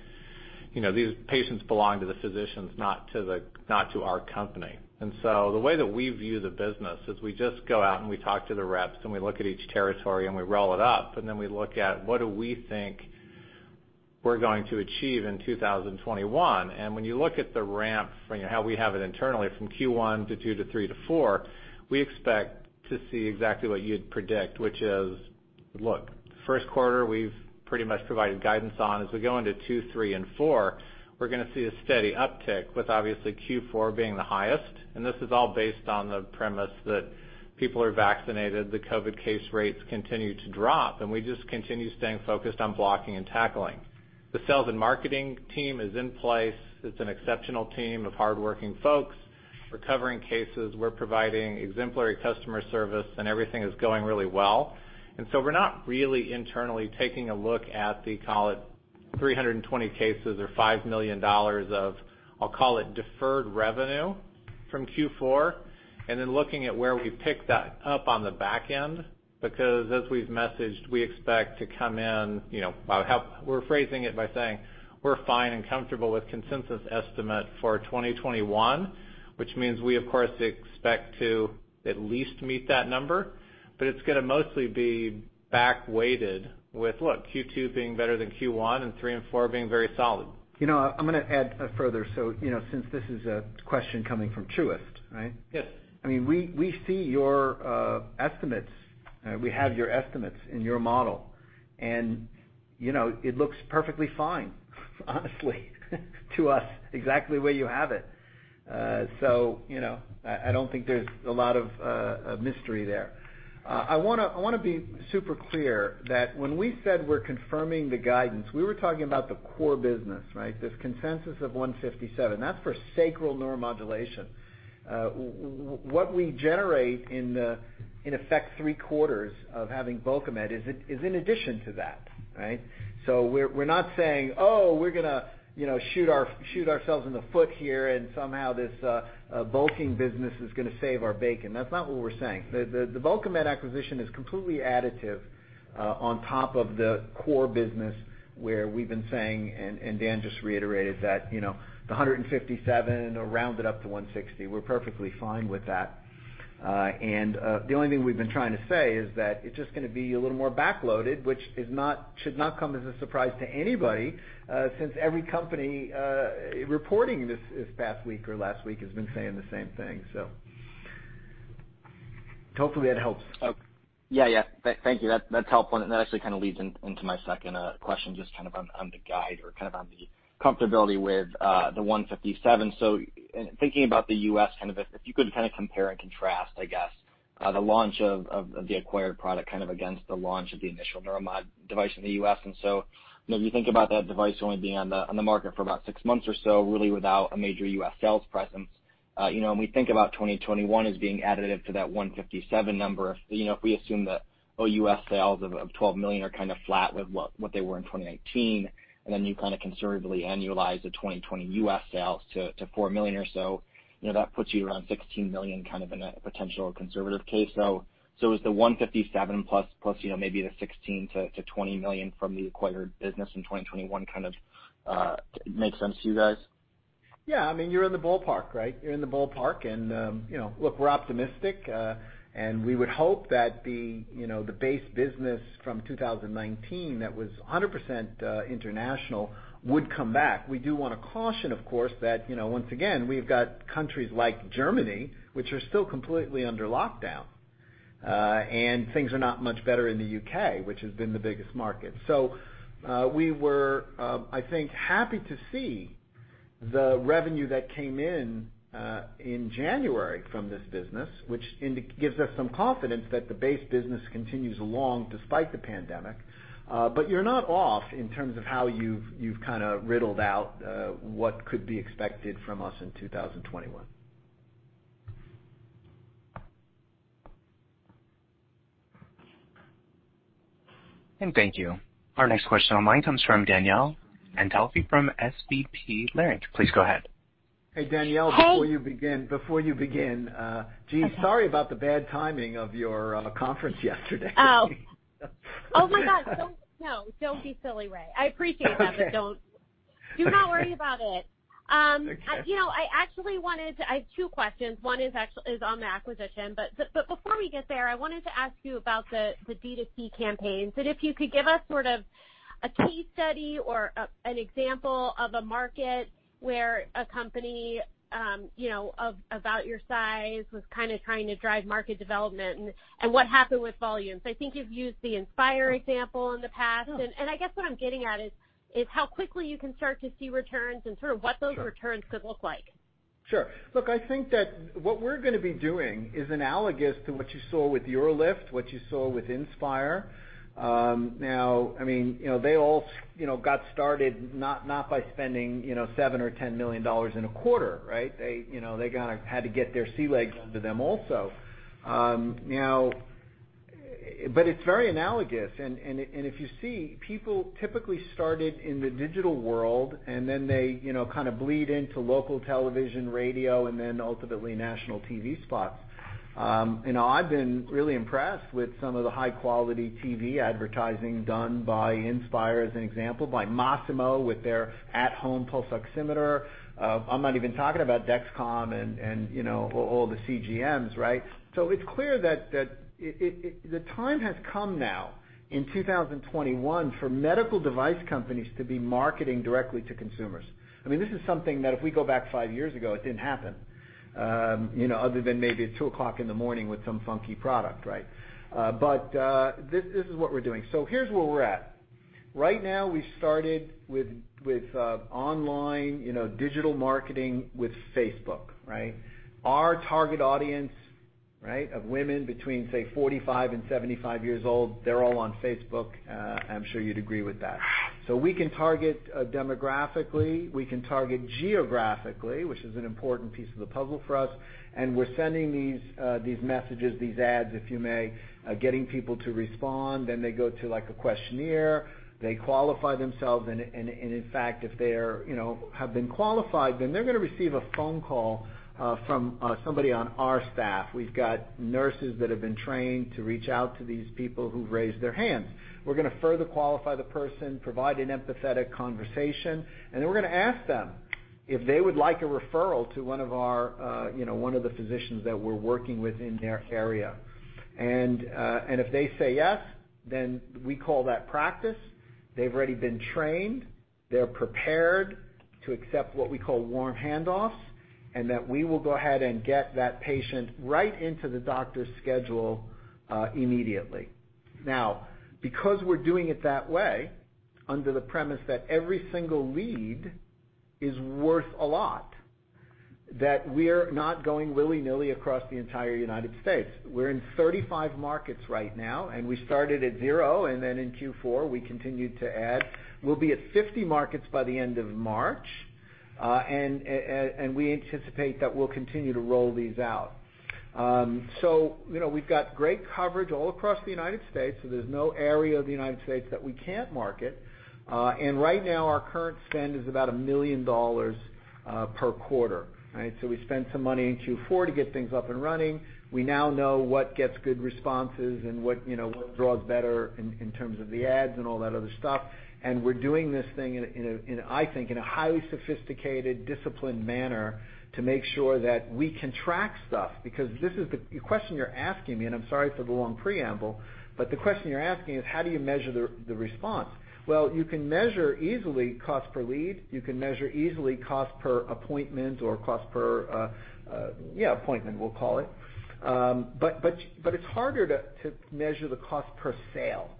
these patients belong to the physicians, not to our company. The way that we view the business is we just go out and we talk to the reps, and we look at each territory, and we roll it up, and then we look at what do we think we're going to achieve in 2021. When you look at the ramp, how we have it internally from Q1 to Q2 to Q3 to Q4, we expect to see exactly what you'd predict, which is, look, first quarter, we've pretty much provided guidance on. As we go into Q2, Q3, and Q4, we're going to see a steady uptick with obviously Q4 being the highest. This is all based on the premise that people are vaccinated, the COVID case rates continue to drop, and we just continue staying focused on blocking and tackling. The sales and marketing team is in place. It's an exceptional team of hardworking folks. We're covering cases, we're providing exemplary customer service, and everything is going really well. We're not really internally taking a look at the, call it 320 cases or $5 million of, I'll call it deferred revenue from Q4, and then looking at where we pick that up on the back end. Because as we've messaged, we expect to come in, we're phrasing it by saying we're fine and comfortable with consensus estimate for 2021, which means we, of course, expect to at least meet that number. It's going to mostly be back-weighted with, look, Q2 being better than Q1 and Q3 and Q4 being very solid. I'm going to add further. Since this is a question coming from Truist, right? Yes. We see your estimates. We have your estimates in your model, and it looks perfectly fine, honestly, to us, exactly where you have it. I don't think there's a lot of mystery there. I want to be super clear that when we said we're confirming the guidance, we were talking about the core business, right? This consensus of $157 million. That's for sacral neuromodulation. What we generate in effect three quarters of having Bulkamid is in addition to that. We're not saying, oh, we're going to shoot ourselves in the foot here, and somehow this bulking business is going to save our bacon. That's not what we're saying. The Bulkamid acquisition is completely additive on top of the core business, where we've been saying, and Dan just reiterated that, the $157 million or round it up to $160 million. We're perfectly fine with that. The only thing we've been trying to say is that it's just going to be a little more back-loaded, which should not come as a surprise to anybody, since every company reporting this past week or last week has been saying the same thing. Hopefully that helps. Yeah. Thank you. That's helpful. That actually kind of leads into my second question, just on the guide or on the comfortability with the $157 million. Thinking about the U.S., if you could kind of compare and contrast, I guess, the launch of the acquired product against the launch of the initial Neuromod device in the U.S. As you think about that device only being on the market for about six months or so, really without a major U.S. sales presence, when we think about 2021 as being additive to that $157 million number. If we assume that OUS sales of $12 million are kind of flat with what they were in 2019, and then you kind of conservatively annualize the 2020 U.S. sales to $4 million or so, that puts you around $16 million in a potential conservative case, though. Is the $157 million plus maybe the $16 million-$20 million from the acquired business in 2021 kind of makes sense to you guys? Yeah. You're in the ballpark, right? You're in the ballpark. Look, we're optimistic, and we would hope that the base business from 2019 that was 100% international would come back. We do want to caution, of course, that once again, we've got countries like Germany, which are still completely under lockdown. Things are not much better in the U.K., which has been the biggest market. We were, I think, happy to see the revenue that came in in January from this business, which gives us some confidence that the base business continues along despite the pandemic. You're not off in terms of how you've kind of riddled out what could be expected from us in 2021. Thank you. Our next question online comes from Danielle Antalffy from SVB Leerink. Please go ahead. Hey, Danielle. Hey. Before you begin, gee, sorry about the bad timing of your conference yesterday. Oh. Oh my God, no. Don't be silly, Ray. I appreciate that, but do not worry about it. Okay. I have two questions. One is on the acquisition, but before we get there, I wanted to ask you about the B2C campaigns, that if you could give us sort of a case study or an example of a market where a company of about your size was kind of trying to drive market development and what happened with volumes. I think you've used the Inspire example in the past. Yeah. I guess what I'm getting at is how quickly you can start to see returns and sort of what those returns could look like. Sure. Look, I think that what we're going to be doing is analogous to what you saw with UroLift, what you saw with Inspire. They all got started not by spending $7 or $10 million in a quarter, right? They kind of had to get their sea legs under them also. It's very analogous. If you see, people typically started in the digital world, and then they kind of bleed into local television, radio, and then ultimately national TV spots. I've been really impressed with some of the high-quality TV advertising done by Inspire as an example, by Masimo with their at-home pulse oximeter. I'm not even talking about Dexcom and all the CGMs, right? It's clear that the time has come now in 2021 for medical device companies to be marketing directly to consumers. This is something that if we go back five years ago, it didn't happen, other than maybe at 2:00 A.M. in the morning with some funky product, right? This is what we're doing. Here's where we're at. Right now, we started with online digital marketing with Facebook, right? Our target audience of women between, say, 45 and 75 years old, they're all on Facebook. I'm sure you'd agree with that. We can target demographically. We can target geographically, which is an important piece of the puzzle for us. We're sending these messages, these ads, if you may, getting people to respond, they go to a questionnaire. They qualify themselves, in fact, if they have been qualified, they're going to receive a phone call from somebody on our staff. We've got nurses that have been trained to reach out to these people who've raised their hands. We're going to further qualify the person, provide an empathetic conversation, and then we're going to ask them if they would like a referral to one of the physicians that we're working with in their area. If they say yes, then we call that practice. They've already been trained. They're prepared to accept what we call warm handoffs, and that we will go ahead and get that patient right into the doctor's schedule immediately. Now, because we're doing it that way, under the premise that every single lead is worth a lot, that we're not going willy-nilly across the entire United States. We're in 35 markets right now, and we started at zero, and then in Q4, we continued to add. We'll be at 50 markets by the end of March. We anticipate that we'll continue to roll these out. We've got great coverage all across the United States, so there's no area of the United States that we can't market. Right now, our current spend is about $1 million per quarter. We spent some money in Q4 to get things up and running. We now know what gets good responses and what draws better in terms of the ads and all that other stuff. We're doing this thing, I think, in a highly sophisticated, disciplined manner to make sure that we can track stuff, because the question you're asking me, and I'm sorry for the long preamble, but the question you're asking is, how do you measure the response? Well, you can measure easily cost per lead. You can measure easily cost per appointment or cost per, yeah, appointment, we'll call it. It's harder to measure the cost per sale.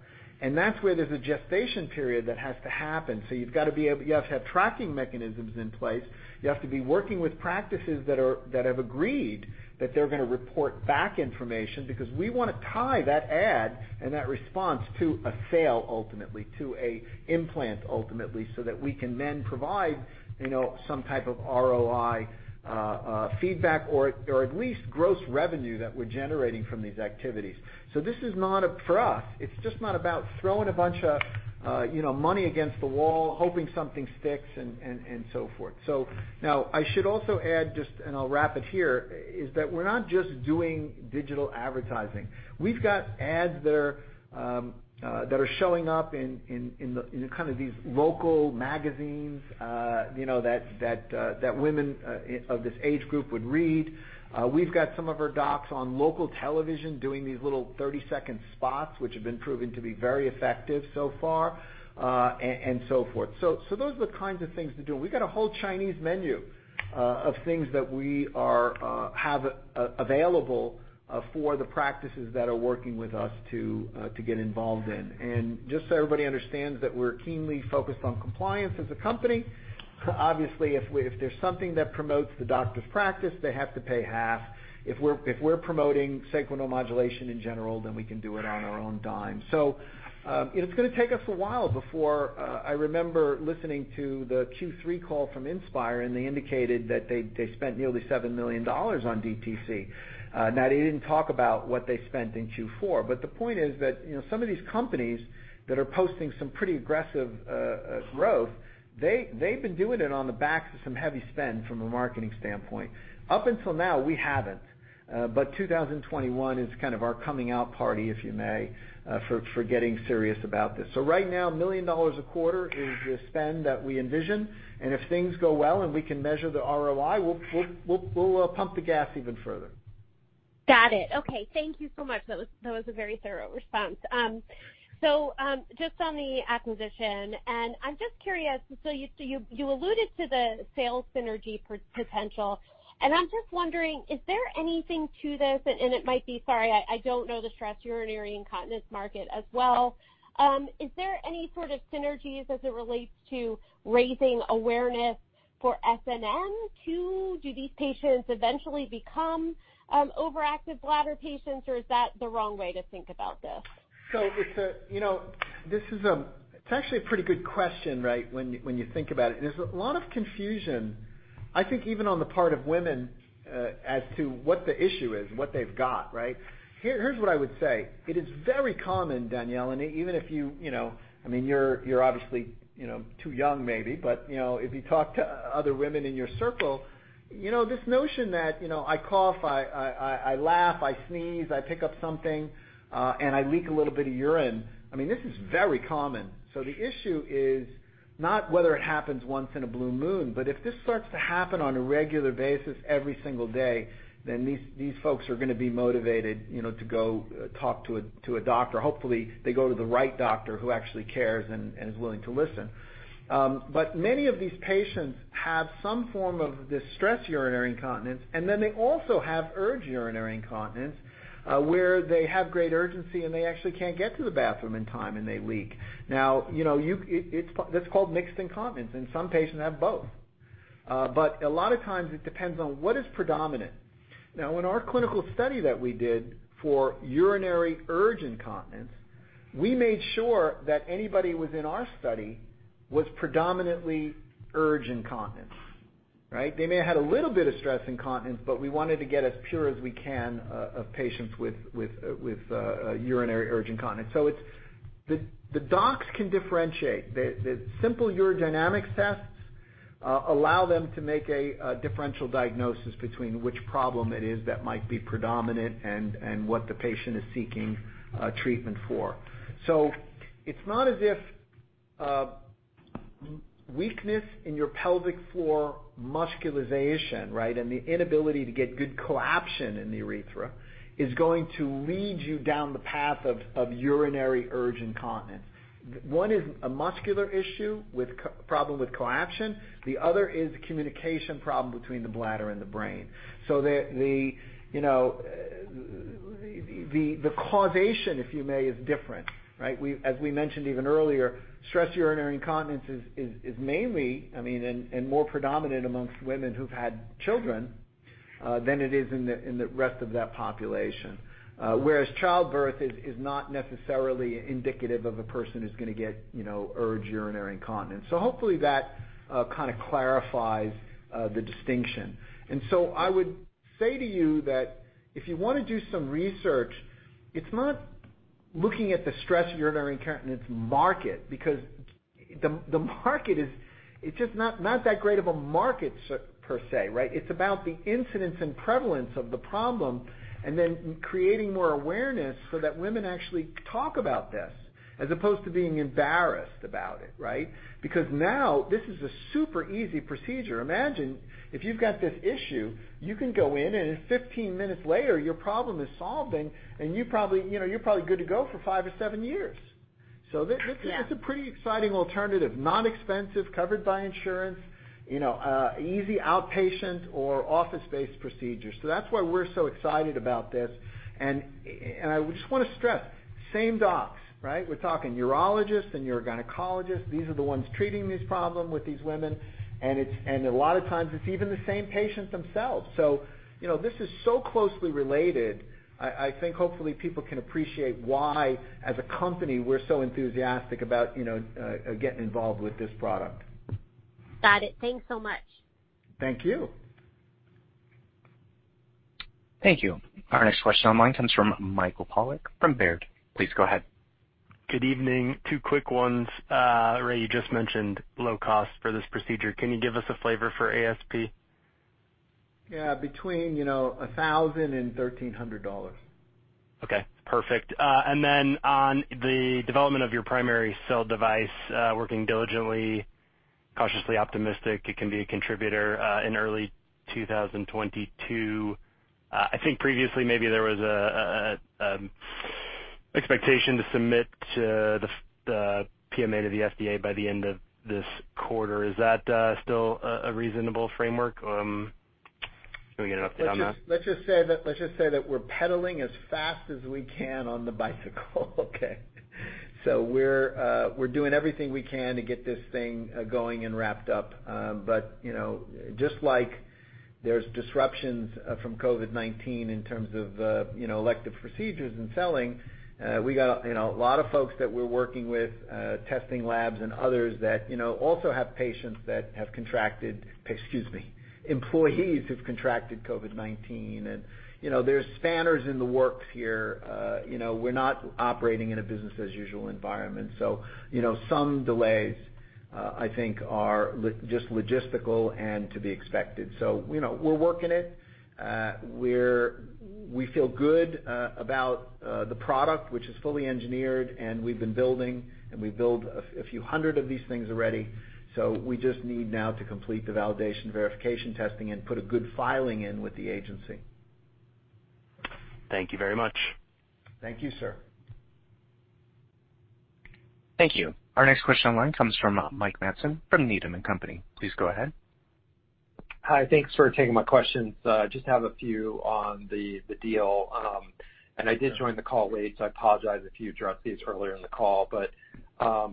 That's where there's a gestation period that has to happen. You have to have tracking mechanisms in place. You have to be working with practices that have agreed that they're going to report back information because we want to tie that ad and that response to a sale ultimately, to an implant ultimately, so that we can then provide some type of ROI feedback or at least gross revenue that we're generating from these activities. For us, it's just not about throwing a bunch of money against the wall, hoping something sticks, and so forth. Now, I should also add just, and I'll wrap it here, is that we're not just doing digital advertising. We've got ads that are showing up in these local magazines that women of this age group would read. We've got some of our docs on local television doing these little 30-second spots, which have been proven to be very effective so far, and so forth. Those are the kinds of things we're doing. We've got a whole Chinese menu of things that we have available for the practices that are working with us to get involved in. Just so everybody understands that we're keenly focused on compliance as a company. Obviously, if there's something that promotes the doctor's practice, they have to pay half. If we're promoting sacral neuromodulation in general, we can do it on our own dime. I remember listening to the Q3 call from Inspire. They indicated that they spent nearly $7 million on DTC. They didn't talk about what they spent in Q4, but the point is that some of these companies that are posting some pretty aggressive growth, they've been doing it on the backs of some heavy spend from a marketing standpoint. Up until now, we haven't. 2021 is kind of our coming out party, if you may, for getting serious about this. Right now, $1 million a quarter is the spend that we envision, and if things go well and we can measure the ROI, we'll pump the gas even further. Got it. Okay. Thank you so much. That was a very thorough response. Just on the acquisition, I'm just curious, you alluded to the sales synergy potential. I'm just wondering, is there anything to this? It might be, sorry, I don't know the stress urinary incontinence market as well. Is there any sort of synergies as it relates to raising awareness for SNM too? Do these patients eventually become overactive bladder patients, or is that the wrong way to think about this? It's actually a pretty good question, when you think about it. There's a lot of confusion, I think even on the part of women as to what the issue is, what they've got. Here's what I would say. It is very common, Danielle, and even if you-- You're obviously too young maybe, but if you talk to other women in your circle, this notion that I cough, I laugh, I sneeze, I pick up something, and I leak a little bit of urine. This is very common. The issue is not whether it happens once in a blue moon, but if this starts to happen on a regular basis every single day, these folks are going to be motivated to go talk to a doctor. Hopefully, they go to the right doctor who actually cares and is willing to listen. Many of these patients have some form of this stress urinary incontinence, and then they also have urge urinary incontinence, where they have great urgency, and they actually can't get to the bathroom in time and they leak. That's called mixed incontinence, and some patients have both. But a lot of times it depends on what is predominant. In our clinical study that we did for urinary urge incontinence, we made sure that anybody within our study was predominantly urinary urge incontinence. They may have had a little bit of stress incontinence, but we wanted to get as pure as we can of patients with urinary urge incontinence. The docs can differentiate. The simple urodynamics tests allow them to make a differential diagnosis between which problem it is that might be predominant and what the patient is seeking treatment for. It's not as if weakness in your pelvic floor musculature and the inability to get good coaptation in the urethra is going to lead you down the path of urinary urge incontinence. One is a muscular issue with problem with coaptation. The other is a communication problem between the bladder and the brain. The causation, if you may, is different. As we mentioned even earlier, stress urinary incontinence is mainly, and more predominant amongst women who've had children than it is in the rest of that population. Whereas childbirth is not necessarily indicative of a person who's going to get urge urinary incontinence. Hopefully that kind of clarifies the distinction. I would say to you that if you want to do some research, it's not looking at the stress urinary incontinence market, because it's just not that great of a market per se. It's about the incidence and prevalence of the problem, creating more awareness so that women actually talk about this as opposed to being embarrassed about it. Now this is a super easy procedure. Imagine if you've got this issue, you can go in and 15 minutes later, your problem is solved, and you're probably good to go for five or seven years. Yeah. This is a pretty exciting alternative, non-expensive, covered by insurance, easy outpatient or office-based procedure. That's why we're so excited about this. I just want to stress, same docs. We're talking urologists and urogynecologists. These are the ones treating this problem with these women, and a lot of times it's even the same patients themselves. This is so closely related, I think hopefully people can appreciate why, as a company, we're so enthusiastic about getting involved with this product. Got it. Thanks so much. Thank you. Thank you. Our next question online comes from Michael Polark from Baird. Please go ahead. Good evening. Two quick ones. Ray, you just mentioned low cost for this procedure. Can you give us a flavor for ASP? Yeah. Between $1,000 and $1,300. Okay, perfect. Then on the development of your primary cell device, working diligently, cautiously optimistic it can be a contributor in early 2022. I think previously maybe there was an expectation to submit the PMA to the FDA by the end of this quarter. Is that still a reasonable framework? Can we get an update on that? Let's just say that we're pedaling as fast as we can on the bicycle. Okay. We're doing everything we can to get this thing going and wrapped up. Just like there's disruptions from COVID-19 in terms of elective procedures and selling, we got a lot of folks that we're working with, testing labs and others that also have patients that have contracted, excuse me, employees who've contracted COVID-19, and there's spanners in the works here. We're not operating in a business-as-usual environment. Some delays I think are just logistical and to be expected. We're working it. We feel good about the product, which is fully engineered and we've been building, and we build a few hundred of these things already. We just need now to complete the validation, verification testing and put a good filing in with the agency. Thank you very much. Thank you, sir. Thank you. Our next question online comes from Mike Matson from Needham & Company. Please go ahead. Hi, thanks for taking my questions. Just have a few on the deal. I did join the call late, so I apologize if you addressed these earlier in the call. I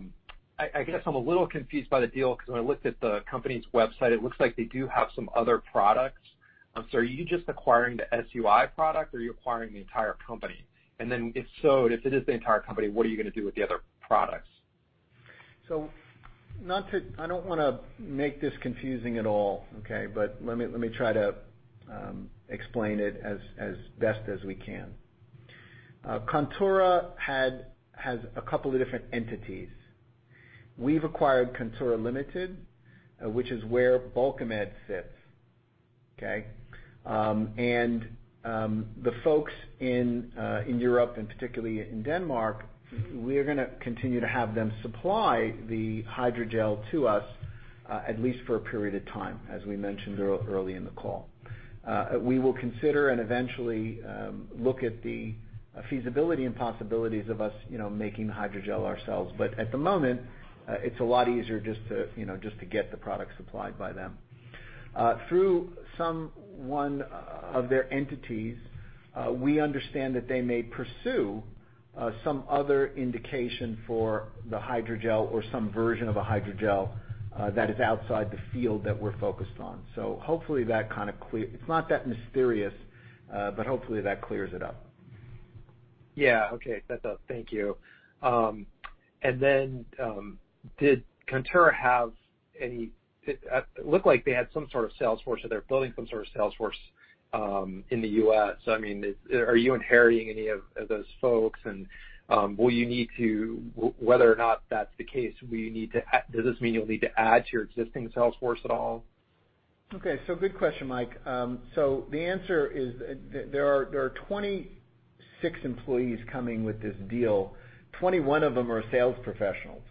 guess I'm a little confused by the deal because when I looked at the company's website, it looks like they do have some other products. Are you just acquiring the SUI product or are you acquiring the entire company? If so, if it is the entire company, what are you going to do with the other products? I don't want to make this confusing at all, okay? Let me try to explain it as best as we can. Contura has a couple of different entities. We've acquired Contura Ltd, which is where Bulkamid sits. Okay? The folks in Europe and particularly in Denmark, we're going to continue to have them supply the hydrogel to us at least for a period of time, as we mentioned earlier in the call. We will consider and eventually look at the feasibility and possibilities of us making the hydrogel ourselves. At the moment, it's a lot easier just to get the product supplied by them. Through someone of their entities, we understand that they may pursue some other indication for the hydrogel or some version of a hydrogel that is outside the field that we're focused on. Hopefully it's not that mysterious, but hopefully, that clears it up. Yeah. Okay. That's all. Thank you. It looked like they had some sort of sales force or they're building some sort of sales force in the U.S. Are you inheriting any of those folks? Will you need to, whether or not that's the case, does this mean you'll need to add to your existing sales force at all? Okay, good question, Mike. The answer is there are 26 employees coming with this deal. 21 of them are sales professionals.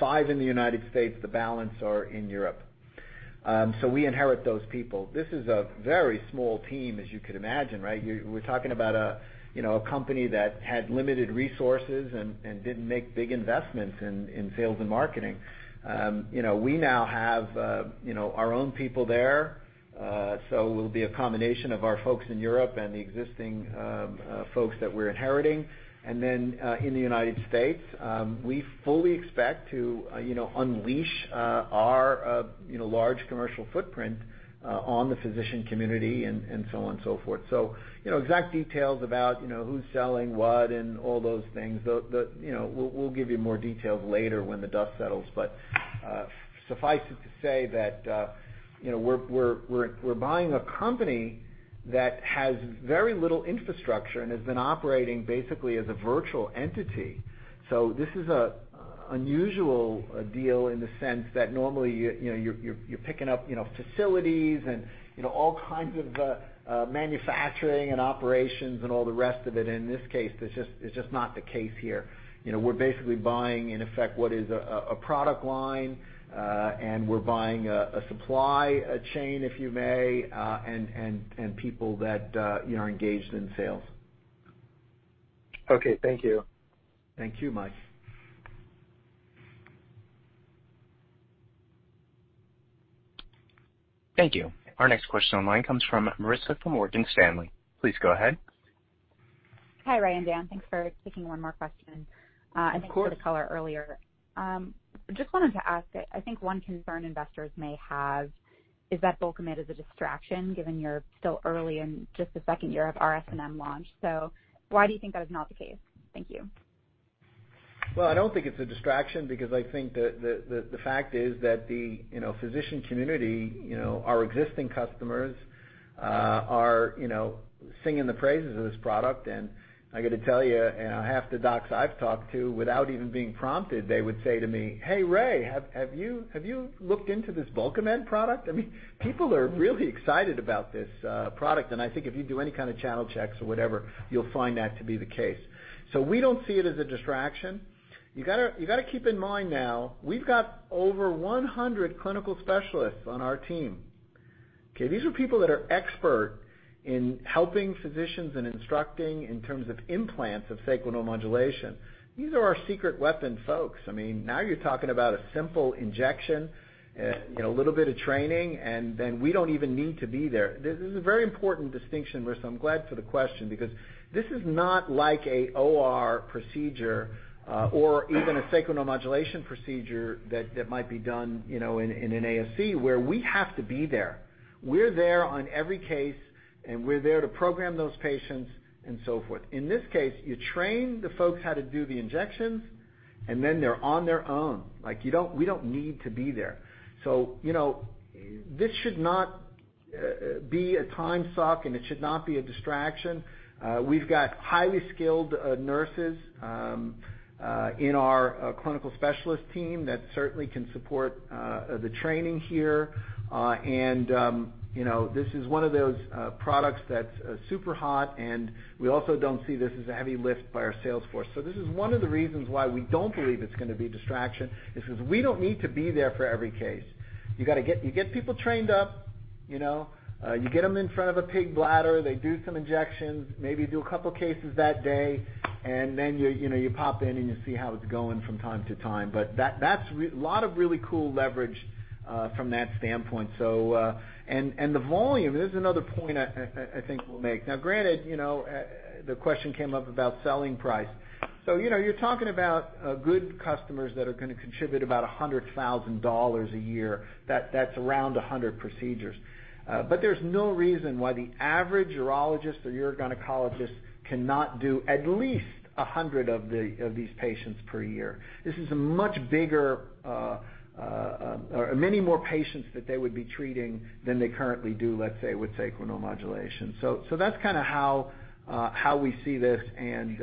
Five in the United States the balance are in Europe. We inherit those people. This is a very small team, as you could imagine. We're talking about a company that had limited resources and didn't make big investments in sales and marketing. We now have our own people there. It'll be a combination of our folks in Europe and the existing folks that we're inheriting. In the United States, we fully expect to unleash our large commercial footprint on the physician community and so on and so forth. Exact details about who's selling what and all those things, we'll give you more details later when the dust settles. Suffice it to say that we're buying a company that has very little infrastructure and has been operating basically as a virtual entity. This is a unusual deal in the sense that normally you're picking up facilities and all kinds of manufacturing and operations and all the rest of it. In this case, it's just not the case here. We're basically buying, in effect, what is a product line, and we're buying a supply chain, if you may, and people that are engaged in sales. Okay. Thank you. Thank you, Mike. Thank you. Our next question online comes from Marissa from Morgan Stanley. Please go ahead. Hi, Ray and Dan. Thanks for taking one more question. Of course. Thanks for the color earlier. Just wanted to ask, I think one concern investors may have is that Bulkamid is a distraction given you're still early in just the second year of r-SNM launch. Why do you think that is not the case? Thank you. I don't think it's a distraction because I think that the fact is that the physician community, our existing customers, are singing the praises of this product. I got to tell you, half the docs I've talked to, without even being prompted, they would say to me, "Hey, Ray, have you looked into this Bulkamid product?" People are really excited about this product, I think if you do any kind of channel checks or whatever, you'll find that to be the case. We don't see it as a distraction. You got to keep in mind now, we've got over 100 clinical specialists on our team. These are people that are expert in helping physicians and instructing in terms of implants of sacral neuromodulation. These are our secret weapon folks. You're talking about a simple injection, a little bit of training, and then we don't even need to be there. This is a very important distinction, Marissa. I'm glad for the question because this is not like a OR procedure or even a sacral neuromodulation procedure that might be done in an ASC where we have to be there. We're there on every case, and we're there to program those patients and so forth. In this case, you train the folks how to do the injections, and then they're on their own. We don't need to be there. This should not be a time suck, and it should not be a distraction. We've got highly skilled nurses in our clinical specialist team that certainly can support the training here. This is one of those products that's super hot, and we also don't see this as a heavy lift by our sales force. This is one of the reasons why we don't believe it's going to be a distraction is because we don't need to be there for every case. You get people trained up. You get them in front of a pig bladder. They do some injections, maybe do a couple cases that day, and then you pop in, and you see how it's going from time to time. That's lot of really cool leverage from that standpoint. The volume, there's another point I think we'll make. Granted, the question came up about selling price. You're talking about good customers that are going to contribute about $100,000 a year. That's around 100 procedures. There's no reason why the average urologist or urogynecologist cannot do at least 100 of these patients per year. This is a much bigger or many more patients that they would be treating than they currently do, let's say, with sacral neuromodulation. That's how we see this, and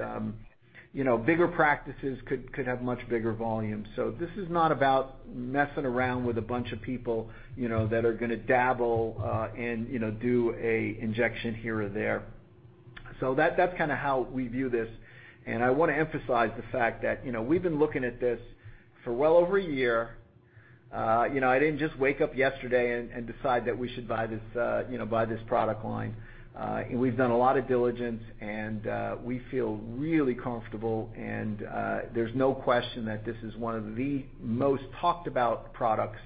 bigger practices could have much bigger volumes. This is not about messing around with a bunch of people that are going to dabble and do a injection here or there. That's how we view this. I want to emphasize the fact that we've been looking at this for well over a year. I didn't just wake up yesterday and decide that we should buy this product line. We've done a lot of diligence, and we feel really comfortable, and there's no question that this is one of the most talked about products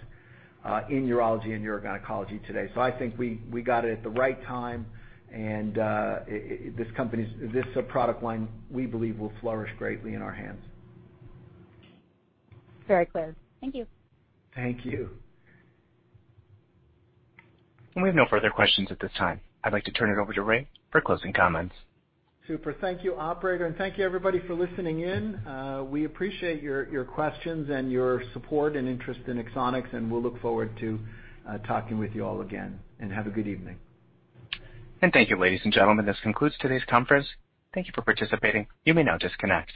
in urology and urogynecology today. I think we got it at the right time, and this product line, we believe, will flourish greatly in our hands. Very clear. Thank you. Thank you. We have no further questions at this time. I'd like to turn it over to Ray for closing comments. Super. Thank you, operator. Thank you everybody for listening in. We appreciate your questions and your support and interest in Axonics. We'll look forward to talking with you all again. Have a good evening. Thank you, ladies and gentlemen. This concludes today's conference. Thank you for participating. You may now disconnect.